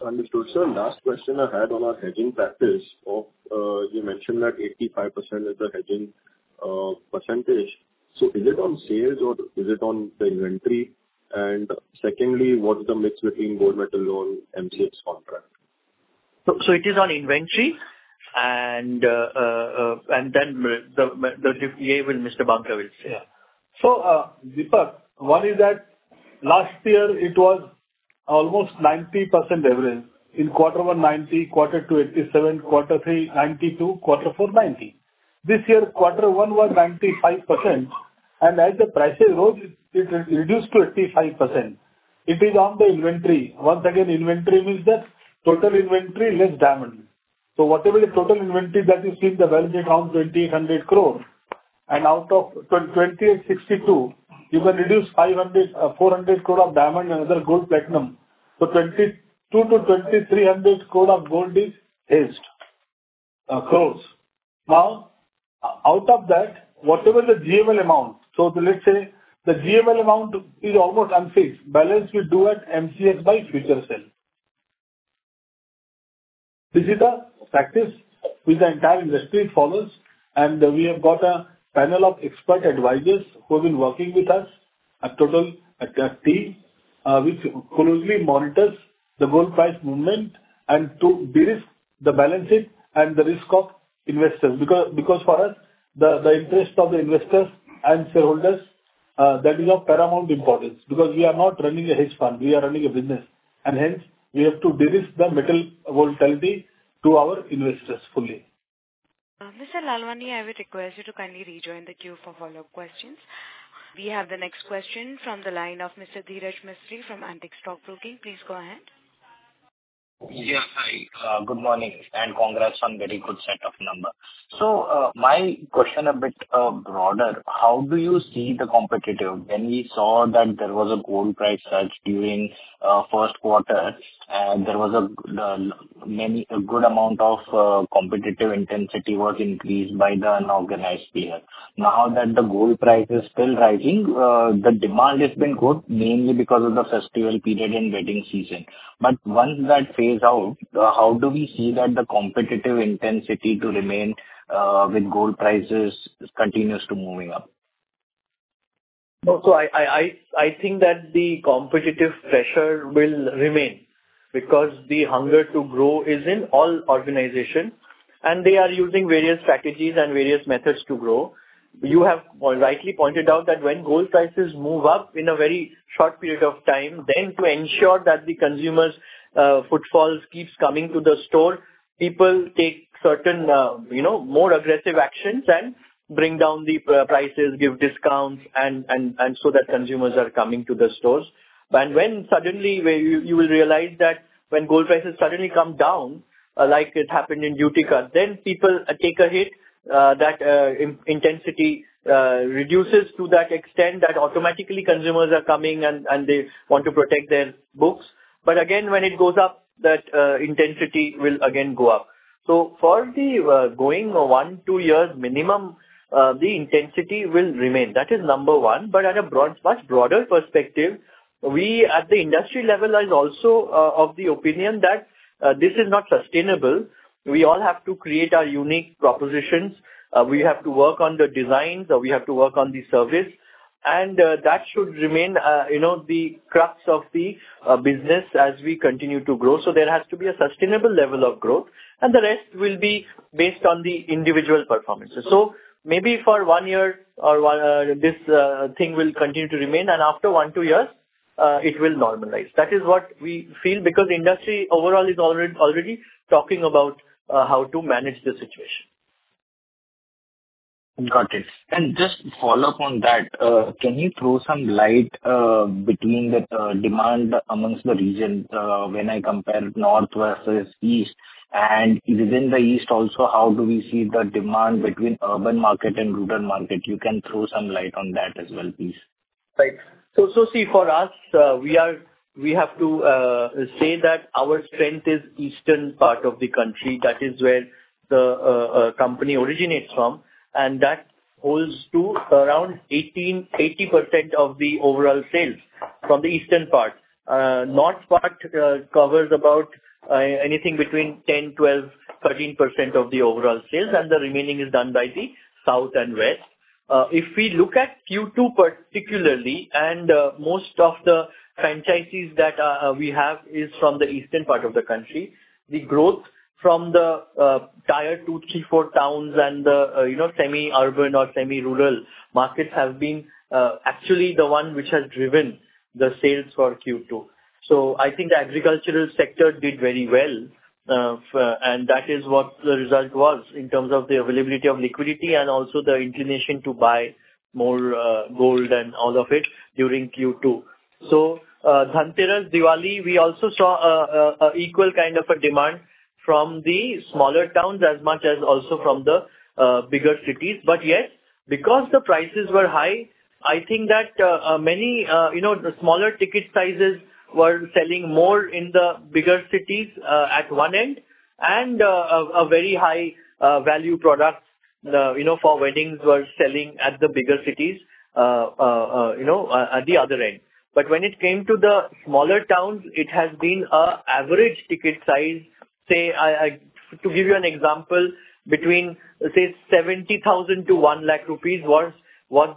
Understood, sir. Last question I had on our hedging practice. You mentioned that 85% is the hedging percentage. So is it on sales or is it on the inventory? And secondly, what is the mix between gold metal loan, MCX contract? So it is on inventory. And then the DPA will, Mr. Banka, will say. Yeah. So Deepak, one is that last year, it was almost 90% average. In quarter one, 90%; quarter two, 87%; quarter three, 92%; quarter four, 90%. This year, quarter one was 95%. And as the prices rose, it reduced to 85%. It is on the inventory. Once again, inventory means that total inventory less diamond. So whatever the total inventory that you see in the value at around 2,800 crore. And out of 2,862, you can reduce 400 crore of diamond and other gold platinum. So 2,200 to 2,300 crore of gold is hedged. Crores. Now, out of that, whatever the GML amount, so let's say the GML amount is almost unfixed. Balance will do at MCX by future sale. This is the practice with the entire industry follows. We have got a panel of expert advisors who have been working with us, a total team, which closely monitors the gold price movement and to de-risk the balance sheet and the risk of investors. Because for us, the interest of the investors and shareholders, that is of paramount importance because we are not running a hedge fund. We are running a business. Hence, we have to de-risk the metal volatility to our investors fully. Mr. Lalwani, I would request you to kindly rejoin the queue for follow-up questions. We have the next question from the line of Mr. Dhiraj Mistry from Antique Stock Broking. Please go ahead. Yeah. Hi. Good morning. And congrats on very good set of numbers. So my question a bit broader. How do you see the competition? When we saw that there was a gold price surge during first quarter, there was a good amount of competitive intensity was increased by the unorganized player. Now that the gold price is still rising, the demand has been good, mainly because of the festival period and wedding season. But once that phase out, how do we see that the competitive intensity to remain with gold prices continues to moving up? I think that the competitive pressure will remain because the hunger to grow is in all organizations, and they are using various strategies and various methods to grow. You have rightly pointed out that when gold prices move up in a very short period of time, then to ensure that the consumer's footfalls keeps coming to the store, people take certain more aggressive actions and bring down the prices, give discounts, and so that consumers are coming to the stores. When suddenly you will realize that when gold prices suddenly come down, like it happened in duty cut, then people take a hit. That intensity reduces to that extent that automatically consumers are coming and they want to protect their books. But again, when it goes up, that intensity will again go up. For the going one to two years, minimum, the intensity will remain. That is number one. But at a much broader perspective, we at the industry level are also of the opinion that this is not sustainable. We all have to create our unique propositions. We have to work on the designs. We have to work on the service. And that should remain the crux of the business as we continue to grow. So there has to be a sustainable level of growth. And the rest will be based on the individual performances. So maybe for one year or this thing will continue to remain. And after one to two years, it will normalize. That is what we feel because the industry overall is already talking about how to manage the situation. Got it. And just follow up on that. Can you throw some light between the demand amongst the region when I compare north versus east? And within the east also, how do we see the demand between urban market and rural market? You can throw some light on that as well, please. Right. So see, for us, we have to say that our strength is eastern part of the country. That is where the company originates from. And that holds to around 80% of the overall sales from the eastern part. North part covers about anything between 10, 12, 13% of the overall sales, and the remaining is done by the south and west. If we look at Q2 particularly, and most of the franchisees that we have is from the eastern part of the country, the growth from the tier two, three, four towns and the semi-urban or semi-rural markets have been actually the one which has driven the sales for Q2. So I think the agricultural sector did very well. And that is what the result was in terms of the availability of liquidity and also the inclination to buy more gold and all of it during Q2. Dhanteras, Diwali, we also saw an equal kind of a demand from the smaller towns as much as also from the bigger cities. But yet, because the prices were high, I think that many smaller ticket sizes were selling more in the bigger cities at one end, and very high-value products for weddings were selling at the bigger cities at the other end. But when it came to the smaller towns, it has been an average ticket size, say, to give you an example, between, say, 70,000-1 lakh rupees was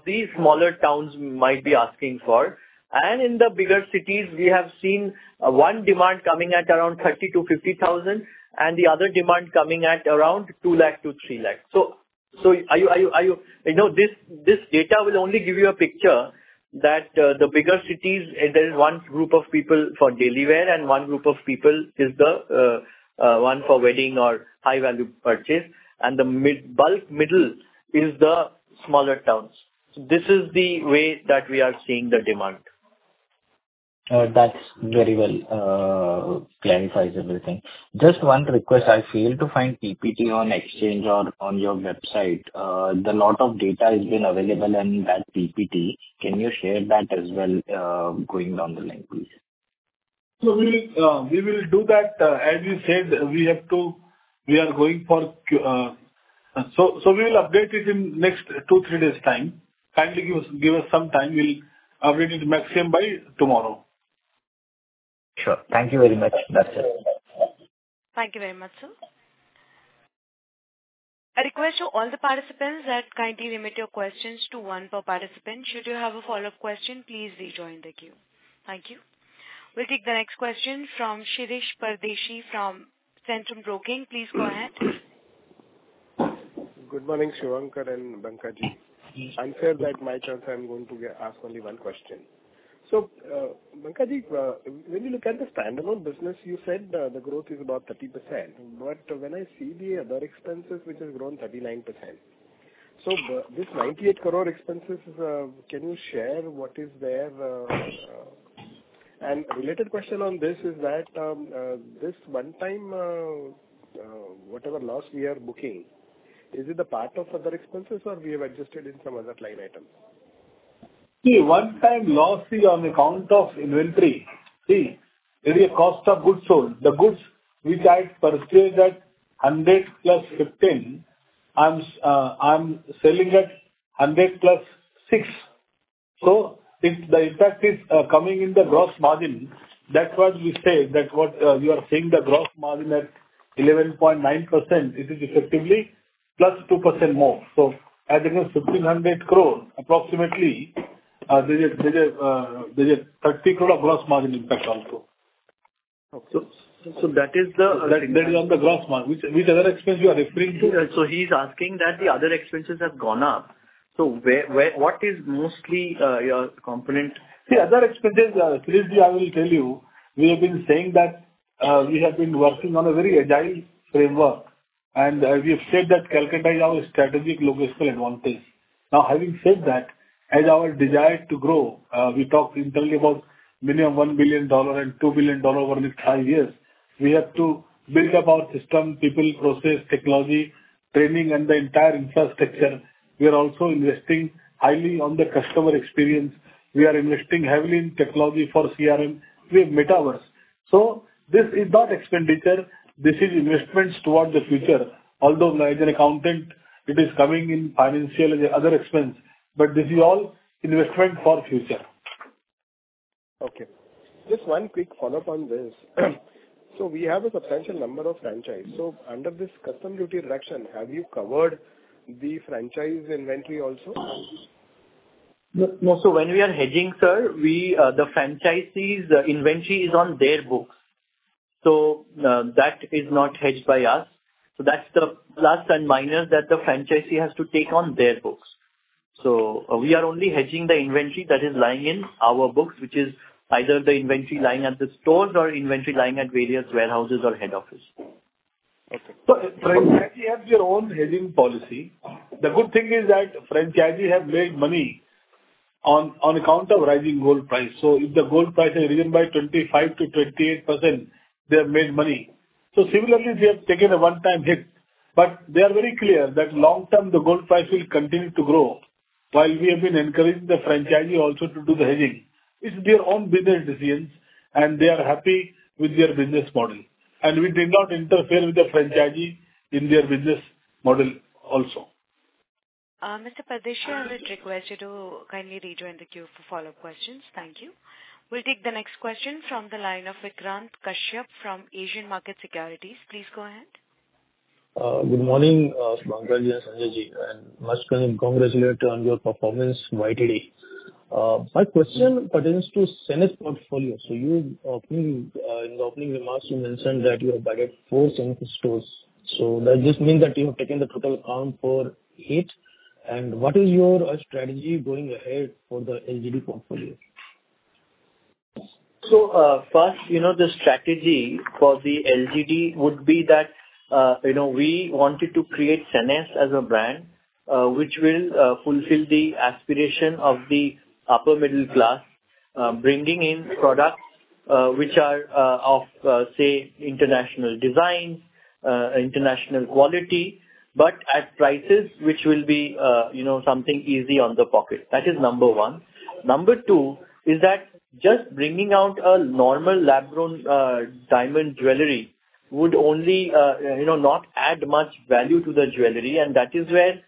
the smaller towns might be asking for. And in the bigger cities, we have seen one demand coming at around 30,000-50,000 and the other demand coming at around 2 lakh-3 lakh. This data will only give you a picture that in the bigger cities, there is one group of people for daily wear and one group of people for wedding or high-value purchase. The bulk middle is the smaller towns. This is the way that we are seeing the demand. That very well clarifies everything. Just one request. I failed to find PPT on Exchange or on your website. A lot of data has been available in that PPT. Can you share that as well going down the line, please? So we will do that. As you said, we are going for so we will update it in the next two, three days' time. Kindly give us some time. We'll update it maximum by tomorrow. Sure. Thank you very much, that's it. Thank you very much, sir. I request all the participants that kindly limit your questions to one per participant. Should you have a follow-up question, please rejoin the queue. Thank you. We'll take the next question from Shirish Pardeshi from Centrum Broking. Please go ahead. Good morning, Suvankar and Banka ji. I'm sure that my chance I'm going to ask only one question. So Banka ji, when you look at the standalone business, you said the growth is about 30%. But when I see the other expenses, which has grown 39%. So this 98 crore expenses, can you share what is there? And related question on this is that this one-time whatever loss we are booking, is it a part of other expenses or we have adjusted in some other line items? See, one-time loss is on account of inventory. See, there is a cost of goods sold. The goods which I purchased at 100 plus 15, I'm selling at 100 plus 6. So if the impact is coming in the gross margin, that's what we say that what you are seeing the gross margin at 11.9%, it is effectively plus 2% more. So as it is 1,500 crore approximately, there is a 30 crore of gross margin impact also. That is the. That is on the gross margin. Which other expense are you referring to? So he's asking that the other expenses have gone up. So what is mostly your component? See, other expenses, Shirishji, I will tell you, we have been saying that we have been working on a very agile framework. And we have said that capitalize our strategic logistical advantage. Now, having said that, as our desire to grow, we talked internally about minimum $1 billion and $2 billion over the next five years. We have to build up our system, people, process, technology, training, and the entire infrastructure. We are also investing highly on the customer experience. We are investing heavily in technology for CRM. We have Metaverse. So this is not expenditure. This is investments toward the future. Although as an accountant, it is coming in financial and other expense. But this is all investment for future. Okay. Just one quick follow-up on this. So we have a substantial number of franchise. So under this customs duty reduction, have you covered the franchise inventory also? No, so when we are hedging, sir, the franchisee's inventory is on their books, so that is not hedged by us, so that's the plus and minus that the franchisee has to take on their books, so we are only hedging the inventory that is lying in our books, which is either the inventory lying at the stores or inventory lying at various warehouses or head office. So franchisee has their own hedging policy. The good thing is that franchisee has made money on account of rising gold price. So if the gold price has risen by 25%-28%, they have made money. So similarly, they have taken a one-time hit. But they are very clear that long term, the gold price will continue to grow while we have been encouraging the franchisee also to do the hedging. It's their own business decisions, and they are happy with their business model, and we did not interfere with the franchisee in their business model also. Mr. Pardeshi, I would request you to kindly rejoin the queue for follow-up questions. Thank you. We'll take the next question from the line of Vikrant Kashyap from Asian Market Securities. Please go ahead. Good morning, Suvankar ji and Sanjay ji. Many congratulations on your performance YTD. My question pertains to Sennes portfolio. So in the opening remarks, you mentioned that you have opened four Sennes stores. So does this mean that you have taken the total account for it? And what is your strategy going ahead for the LGD portfolio? So first, the strategy for the LGD would be that we wanted to create Sennes as a brand, which will fulfill the aspiration of the upper middle class, bringing in products which are of, say, international design, international quality, but at prices which will be something easy on the pocket. That is number one. Number two is that just bringing out a normal lab-grown diamond jewelry would only not add much value to the jewelry. And that is where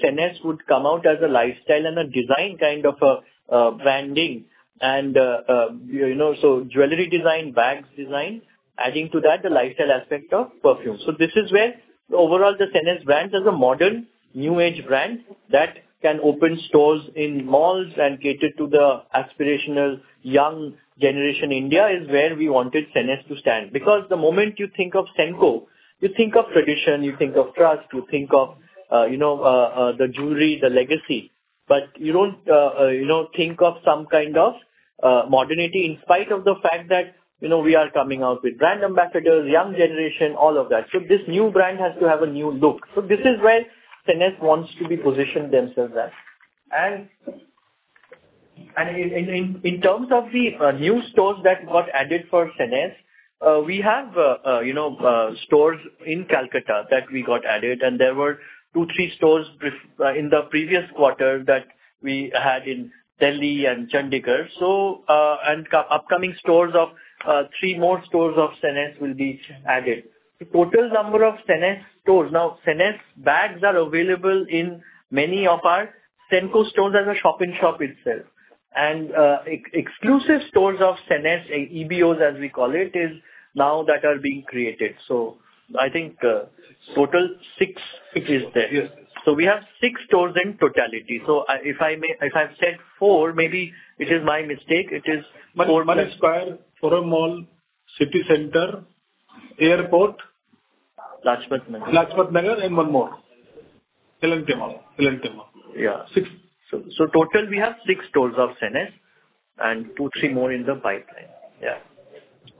Sennes would come out as a lifestyle and a design kind of branding. And so jewelry design, bags design, adding to that the lifestyle aspect of perfume. So this is where overall the Sennes brand as a modern, new-age brand that can open stores in malls and cater to the aspirational young generation India is where we wanted Sennes to stand. Because the moment you think of Senco, you think of tradition, you think of trust, you think of the jewelry, the legacy. But you don't think of some kind of modernity in spite of the fact that we are coming out with brand ambassadors, young generation, all of that. So this new brand has to have a new look. So this is where Sennes wants to be positioned themselves at. And in terms of the new stores that got added for Sennes, we have stores in Kolkata that we got added. And there were two, three stores in the previous quarter that we had in Delhi and Chandigarh. And upcoming stores of three more stores of Sennes will be added. The total number of Sennes stores now, Sennes bags are available in many of our Senco stores as a shopping shop itself. And exclusive stores of Sennes, EBOs as we call it, is now that are being created. So I think total six is there. So we have six stores in totality. So if I've said four, maybe it is my mistake. It is four more. Mani Square, Forum Mall, City Centre, Airport. Lajpat Nagar. Lajpat Nagar and one more. Elante Mall. Yeah. So total we have six stores of Sennes and two, three more in the pipeline. Yeah.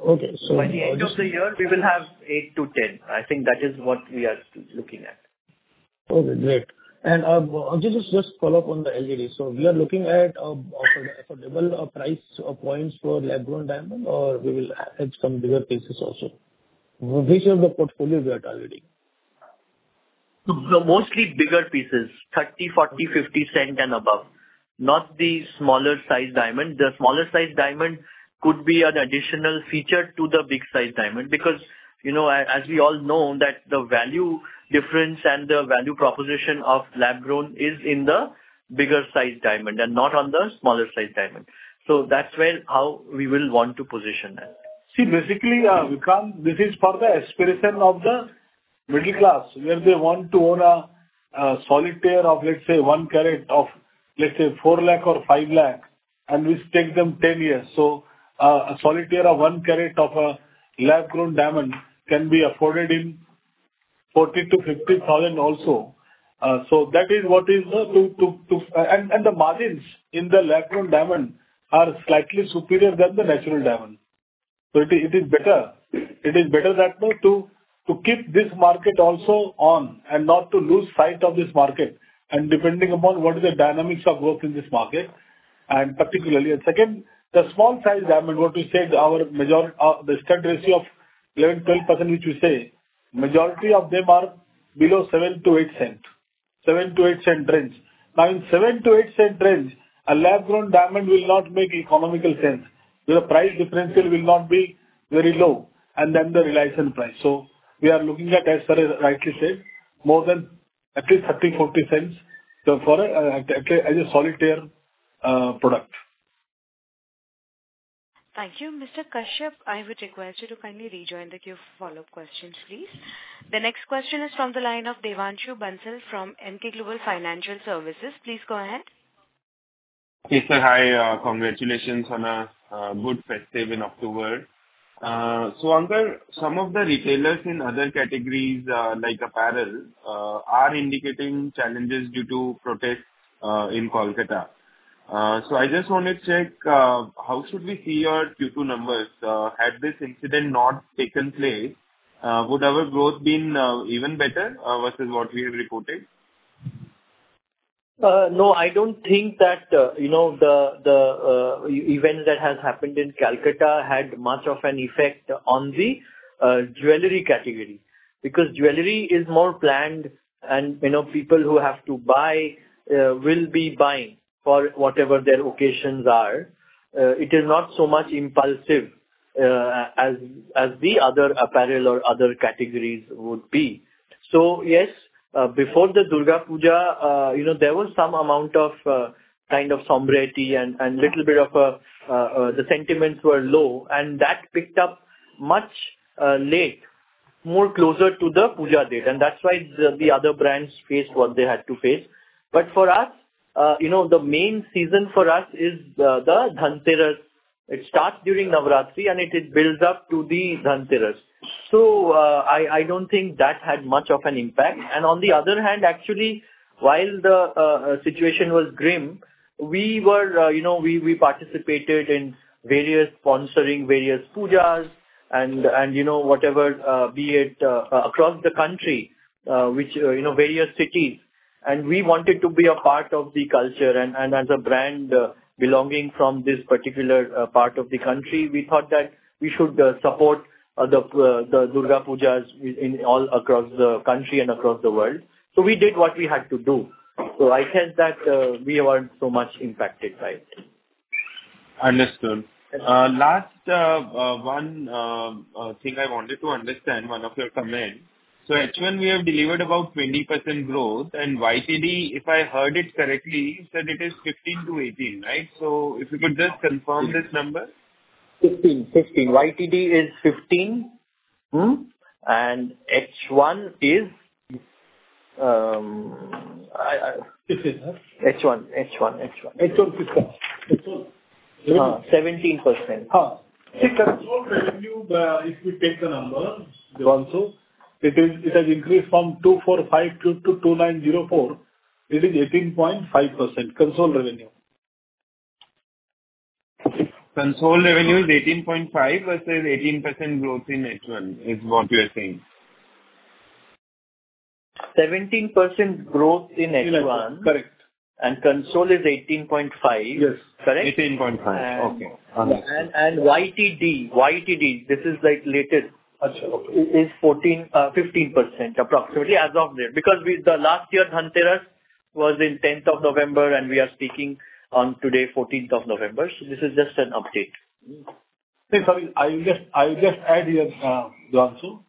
Okay. So by the end of the year, we will have eight to 10. I think that is what we are looking at. Okay. Great. And just follow up on the LGD. So we are looking at affordable price points for Lab-Grown Diamond or we will have some bigger pieces also? Which of the portfolio we are targeting? So mostly bigger pieces, 30, 40, 50 carat and above. Not the smaller size diamond. The smaller size diamond could be an additional feature to the big size diamond because as we all know that the value difference and the value proposition of lab-grown is in the bigger size diamond and not on the smaller size diamond. So that's how we will want to position that. See, basically, Vikrant, this is for the aspiration of the middle class where they want to own a solitaire of, let's say, one carat of, let's say, 4 lakh or 5 lakh, and it takes them 10 years. So a solitaire of one carat of a lab-grown diamond can be afforded in 40 to 50 thousand also. So that is what it is, and the margins in the lab-grown diamond are slightly superior than the natural diamond. So it is better. It is better to keep this market also on and not to lose sight of this market. And depending upon what are the dynamics of growth in this market, and particularly. And second, the small size diamond, what we said, our standard ratio of 11-12%, which we say, majority of them are below 7-8 cent range. Now, in 7-8 cent range, a lab-grown diamond will not make economic sense because the price differential will not be very low. And then the retail price. So we are looking at, as I rightly said, more than at least 30-40 cents as a solitaire product. Thank you. Mr. Kashyap, I would request you to kindly rejoin the queue for follow-up questions, please. The next question is from the line of Devanshu Bansal from Emkay Global Financial Services. Please go ahead. Yes, sir. Hi. Congratulations on a good festive in October. Suvankar, some of the retailers in other categories like apparel are indicating challenges due to protests in Kolkata. So I just want to check how should we see your Q2 numbers? Had this incident not taken place, would our growth been even better versus what we have reported? No, I don't think that the event that has happened in Kolkata had much of an effect on the jewelry category because jewelry is more planned and people who have to buy will be buying for whatever their occasions are. It is not so much impulsive as the other apparel or other categories would be. So yes, before the Durga Puja, there was some amount of kind of somberness and a little bit of the sentiments were low. And that picked up much late, more closer to the Puja date. And that's why the other brands faced what they had to face. But for us, the main season for us is the Dhanteras. It starts during Navratri, and it builds up to the Dhanteras. So I don't think that had much of an impact. On the other hand, actually, while the situation was grim, we participated in various sponsoring, various pujas, and whatever, be it across the country, which various cities. We wanted to be a part of the culture. As a brand belonging from this particular part of the country, we thought that we should support the Durga Pujas all across the country and across the world. We did what we had to do. I said that we weren't so much impacted by it. Understood. Last one thing I wanted to understand, one of your comments. So H1, we have delivered about 20% growth. And YTD, if I heard it correctly, you said it is 15%-18%, right? So if you could just confirm this number. 15. 15. YTD is 15. And H1 is H1. H1. H1. 17%. See, Senco revenue, if we take the numbers. Also, it has increased from 2452 to 2904. It is 18.5%. Consolidated revenue. Consolidated revenue is 18.5% versus 18% growth in H1 is what you are saying. 17% growth in H1. H1. Correct. Consol is 18.5. Yes. Correct? 18.5. Okay. And YTD. YTD, this is like latest. sure. Okay. Is 15% approximately as of today because the last year Dhanteras was in 10th of November, and we are speaking on today, 14th of November, so this is just an update. See, I will just add here, Devanshu.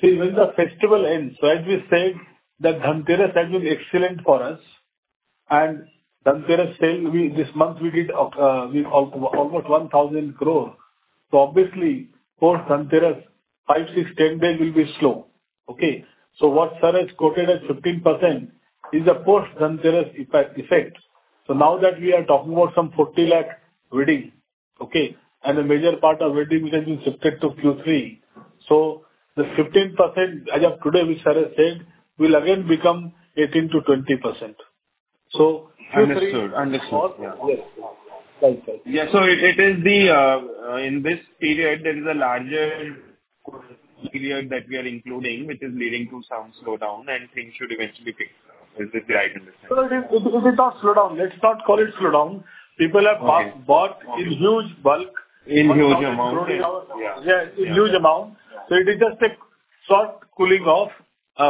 See, when the festival ends, so as we said, the Dhanteras have been excellent for us. And Dhanteras sale, this month we did almost 1,000 growth. So obviously, post Dhanteras, 5, 6, 10 days will be slow. Okay? So what Saraf quoted as 15% is a post Dhanteras effect. So now that we are talking about some 40 lakh wedding, okay, and a major part of wedding has been shifted to Q3. So the 15% as of today, which Saraf said, will again become 18%-20%. So I will say. Understood. Understood. Yes. Yeah. So it is in this period, there is a larger period that we are including, which is leading to some slowdown, and things should eventually pick up. Is this the right understanding? It is not slowdown. Let's not call it slowdown. People have bought in huge bulk. In huge amount. Yeah. In huge amount. So it is just a short cooling off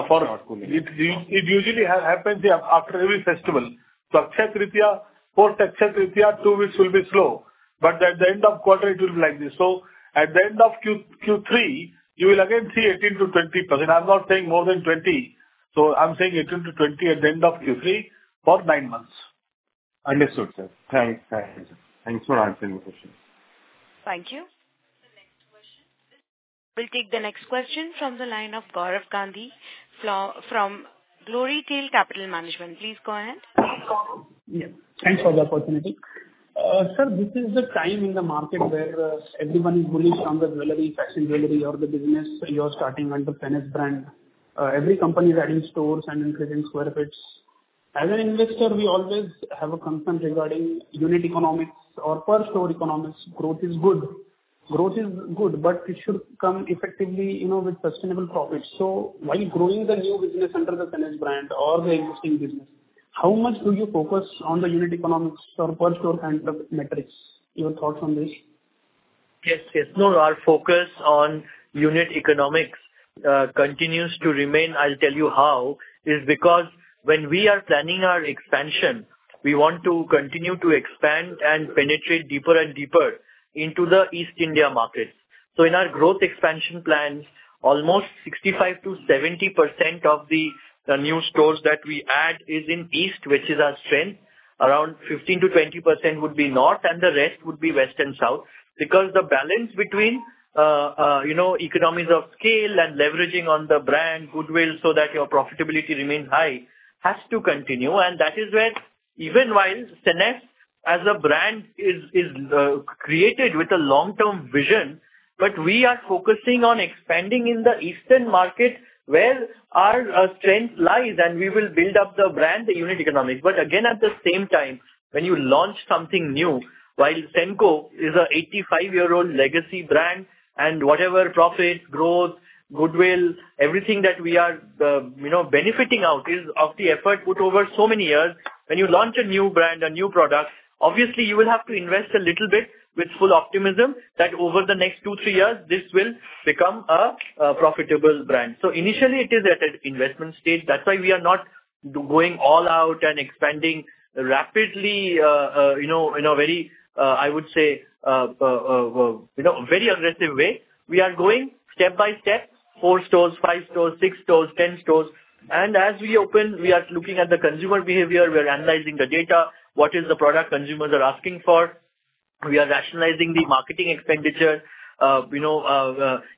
for. Short cooling. It usually happens after every festival. So Akshaya Tritiya, post Akshaya Tritiya, two weeks will be slow. But at the end of quarter, it will be like this. So at the end of Q3, you will again see 18%-20%. I'm not saying more than 20. So I'm saying 18%-20% at the end of Q3 for nine months. Understood, sir. Thanks. Thank you, sir. Thanks for answering the question. Thank you. We'll take the next question from the line of Gaurav Gandhi from Glorytail Capital Management. Please go ahead. Thanks for the opportunity. Sir, this is the time in the market where everyone is bullish on the jewelry, fashion jewelry, or the business you are starting under Sennes brand. Every company is adding stores and increasing square feet. As an investor, we always have a concern regarding unit economics or per-store economics. Growth is good. Growth is good, but it should come effectively with sustainable profits. So while growing the new business under the Sennes brand or the existing business, how much do you focus on the unit economics or per-store kind of metrics? Your thoughts on this? Yes. Yes. No, our focus on unit economics continues to remain. I'll tell you how. It's because when we are planning our expansion, we want to continue to expand and penetrate deeper and deeper into the East India market. So in our growth expansion plans, almost 65%-70% of the new stores that we add is in East, which is our strength. Around 15%-20% would be North, and the rest would be West and South. Because the balance between economies of scale and leveraging on the brand goodwill so that your profitability remains high has to continue, and that is where even while Sennes as a brand is created with a long-term vision, but we are focusing on expanding in the Eastern market where our strength lies and we will build up the brand, the unit economics. But again, at the same time, when you launch something new, while Senco is an 85-year-old legacy brand and whatever profit, growth, goodwill, everything that we are benefiting out is of the effort put over so many years, when you launch a new brand, a new product, obviously, you will have to invest a little bit with full optimism that over the next two, three years, this will become a profitable brand. So initially, it is at an investment stage. That's why we are not going all out and expanding rapidly in a very, I would say, very aggressive way. We are going step by step, four stores, five stores, six stores, 10 stores. And as we open, we are looking at the consumer behavior. We are analyzing the data, what is the product consumers are asking for. We are rationalizing the marketing expenditure,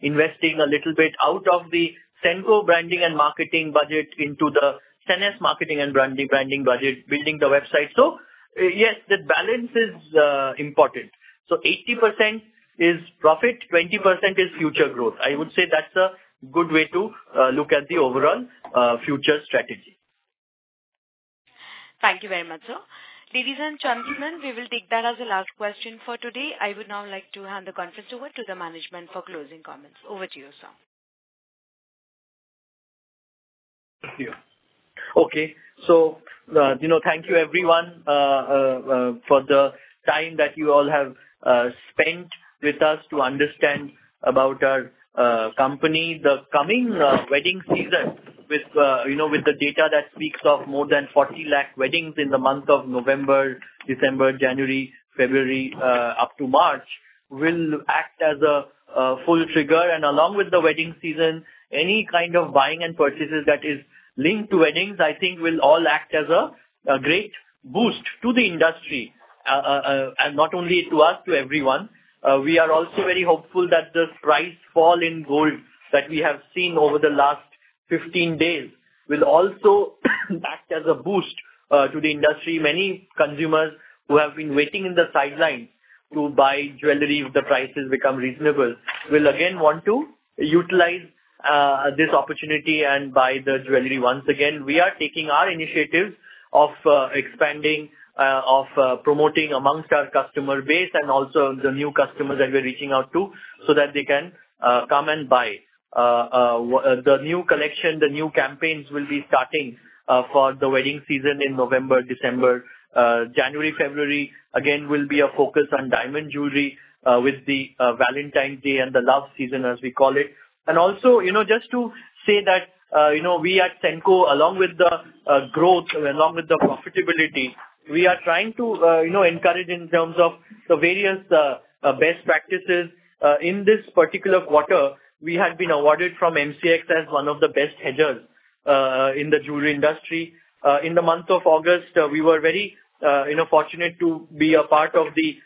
investing a little bit out of the Senco branding and marketing budget into the Sennes marketing and branding budget, building the website. So yes, the balance is important. So 80% is profit, 20% is future growth. I would say that's a good way to look at the overall future strategy. Thank you very much, sir. Ladies and gentlemen, we will take that as a last question for today. I would now like to hand the conference over to the management for closing comments. Over to you, sir. Okay. So thank you, everyone, for the time that you all have spent with us to understand about our company. The coming wedding season with the data that speaks of more than 40 lakh weddings in the month of November, December, January, February, up to March will act as a full trigger. And along with the wedding season, any kind of buying and purchases that is linked to weddings, I think will all act as a great boost to the industry and not only to us, to everyone. We are also very hopeful that the price fall in gold that we have seen over the last 15 days will also act as a boost to the industry. Many consumers who have been waiting in the sidelines to buy jewelry if the prices become reasonable will again want to utilize this opportunity and buy the jewelry once again. We are taking our initiatives of expanding, of promoting among our customer base and also the new customers that we are reaching out to so that they can come and buy. The new collection, the new campaigns will be starting for the wedding season in November, December, January, February. Again, will be a focus on diamond jewelry with the Valentine's Day and the love season, as we call it, and also, just to say that we at Senco, along with the growth, along with the profitability, we are trying to encourage in terms of the various best practices. In this particular quarter, we had been awarded from MCX as one of the best hedgers in the jewelry industry. In the month of August, we were very fortunate to be a part of the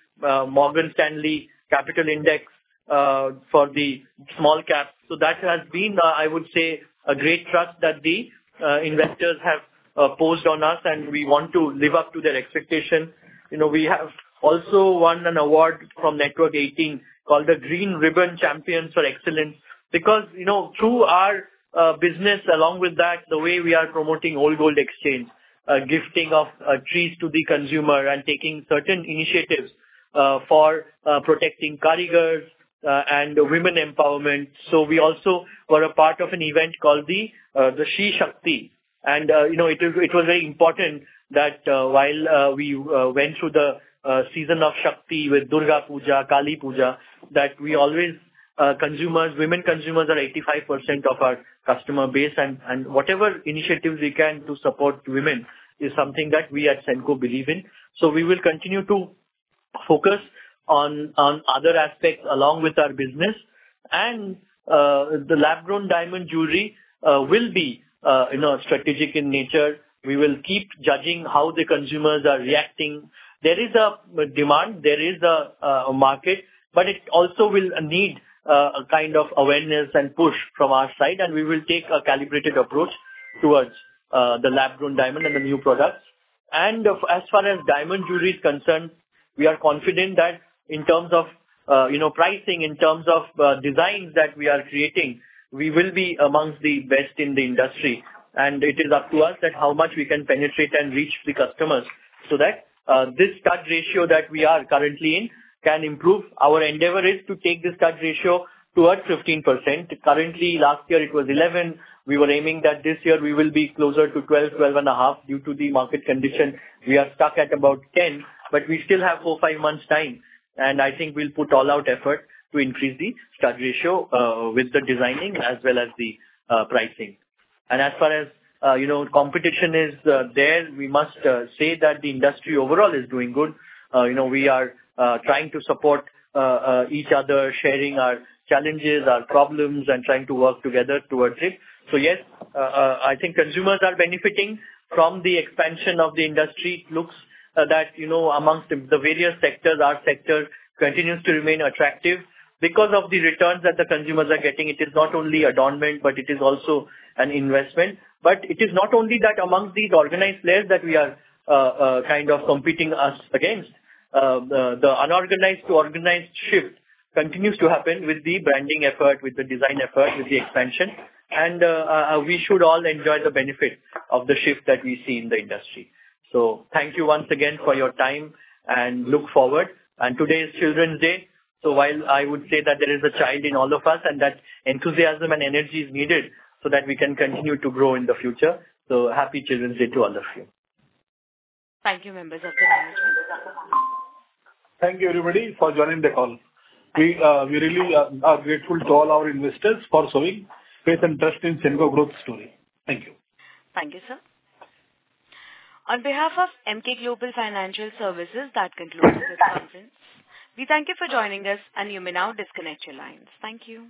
Morgan Stanley Capital Index for the small-cap. That has been, I would say, a great trust that the investors have placed on us, and we want to live up to their expectation. We have also won an award from Network18 called the Green Ribbon Champion for Excellence because through our business, along with that, the way we are promoting Old Gold Exchange, gifting of trees to the consumer and taking certain initiatives for protecting the environment and women empowerment. We also were a part of an event called the Stree Shakti. It was very important that while we went through the season of Shakti with Durga Puja, Kali Puja, that our consumers, women consumers are 85% of our customer base. Whatever initiatives we can to support women is something that we at Senco believe in. We will continue to focus on other aspects along with our business. And the lab-grown diamond jewelry will be strategic in nature. We will keep judging how the consumers are reacting. There is a demand. There is a market, but it also will need a kind of awareness and push from our side. And we will take a calibrated approach towards the lab-grown diamond and the new products. And as far as diamond jewelry is concerned, we are confident that in terms of pricing, in terms of designs that we are creating, we will be amongst the best in the industry. And it is up to us how much we can penetrate and reach the customers so that this stud ratio that we are currently in can improve. Our endeavor is to take this stud ratio towards 15%. Currently, last year, it was 11%. We were aiming that this year we will be closer to 12, 12 and a half due to the market condition. We are stuck at about 10, but we still have four, five months' time, and I think we'll put all-out effort to increase the stud ratio with the designing as well as the pricing, and as far as competition is there, we must say that the industry overall is doing good. We are trying to support each other, sharing our challenges, our problems, and trying to work together towards it, so yes, I think consumers are benefiting from the expansion of the industry. It looks that among the various sectors, our sector continues to remain attractive because of the returns that the consumers are getting. It is not only adornment, but it is also an investment. But it is not only that amongst these organized players that we are kind of competing against. The unorganized to organized shift continues to happen with the branding effort, with the design effort, with the expansion. And we should all enjoy the benefits of the shift that we see in the industry. So thank you once again for your time and look forward. And today is Children's Day. So while I would say that there is a child in all of us and that enthusiasm and energy is needed so that we can continue to grow in the future. So happy Children's Day to all of you. Thank you, members of the management. Thank you, everybody, for joining the call. We really are grateful to all our investors for showing faith and trust in Senco Growth Story. Thank you. Thank you, sir. On behalf of Emkay Global Financial Services, that concludes this conference. We thank you for joining us, and you may now disconnect your lines. Thank you.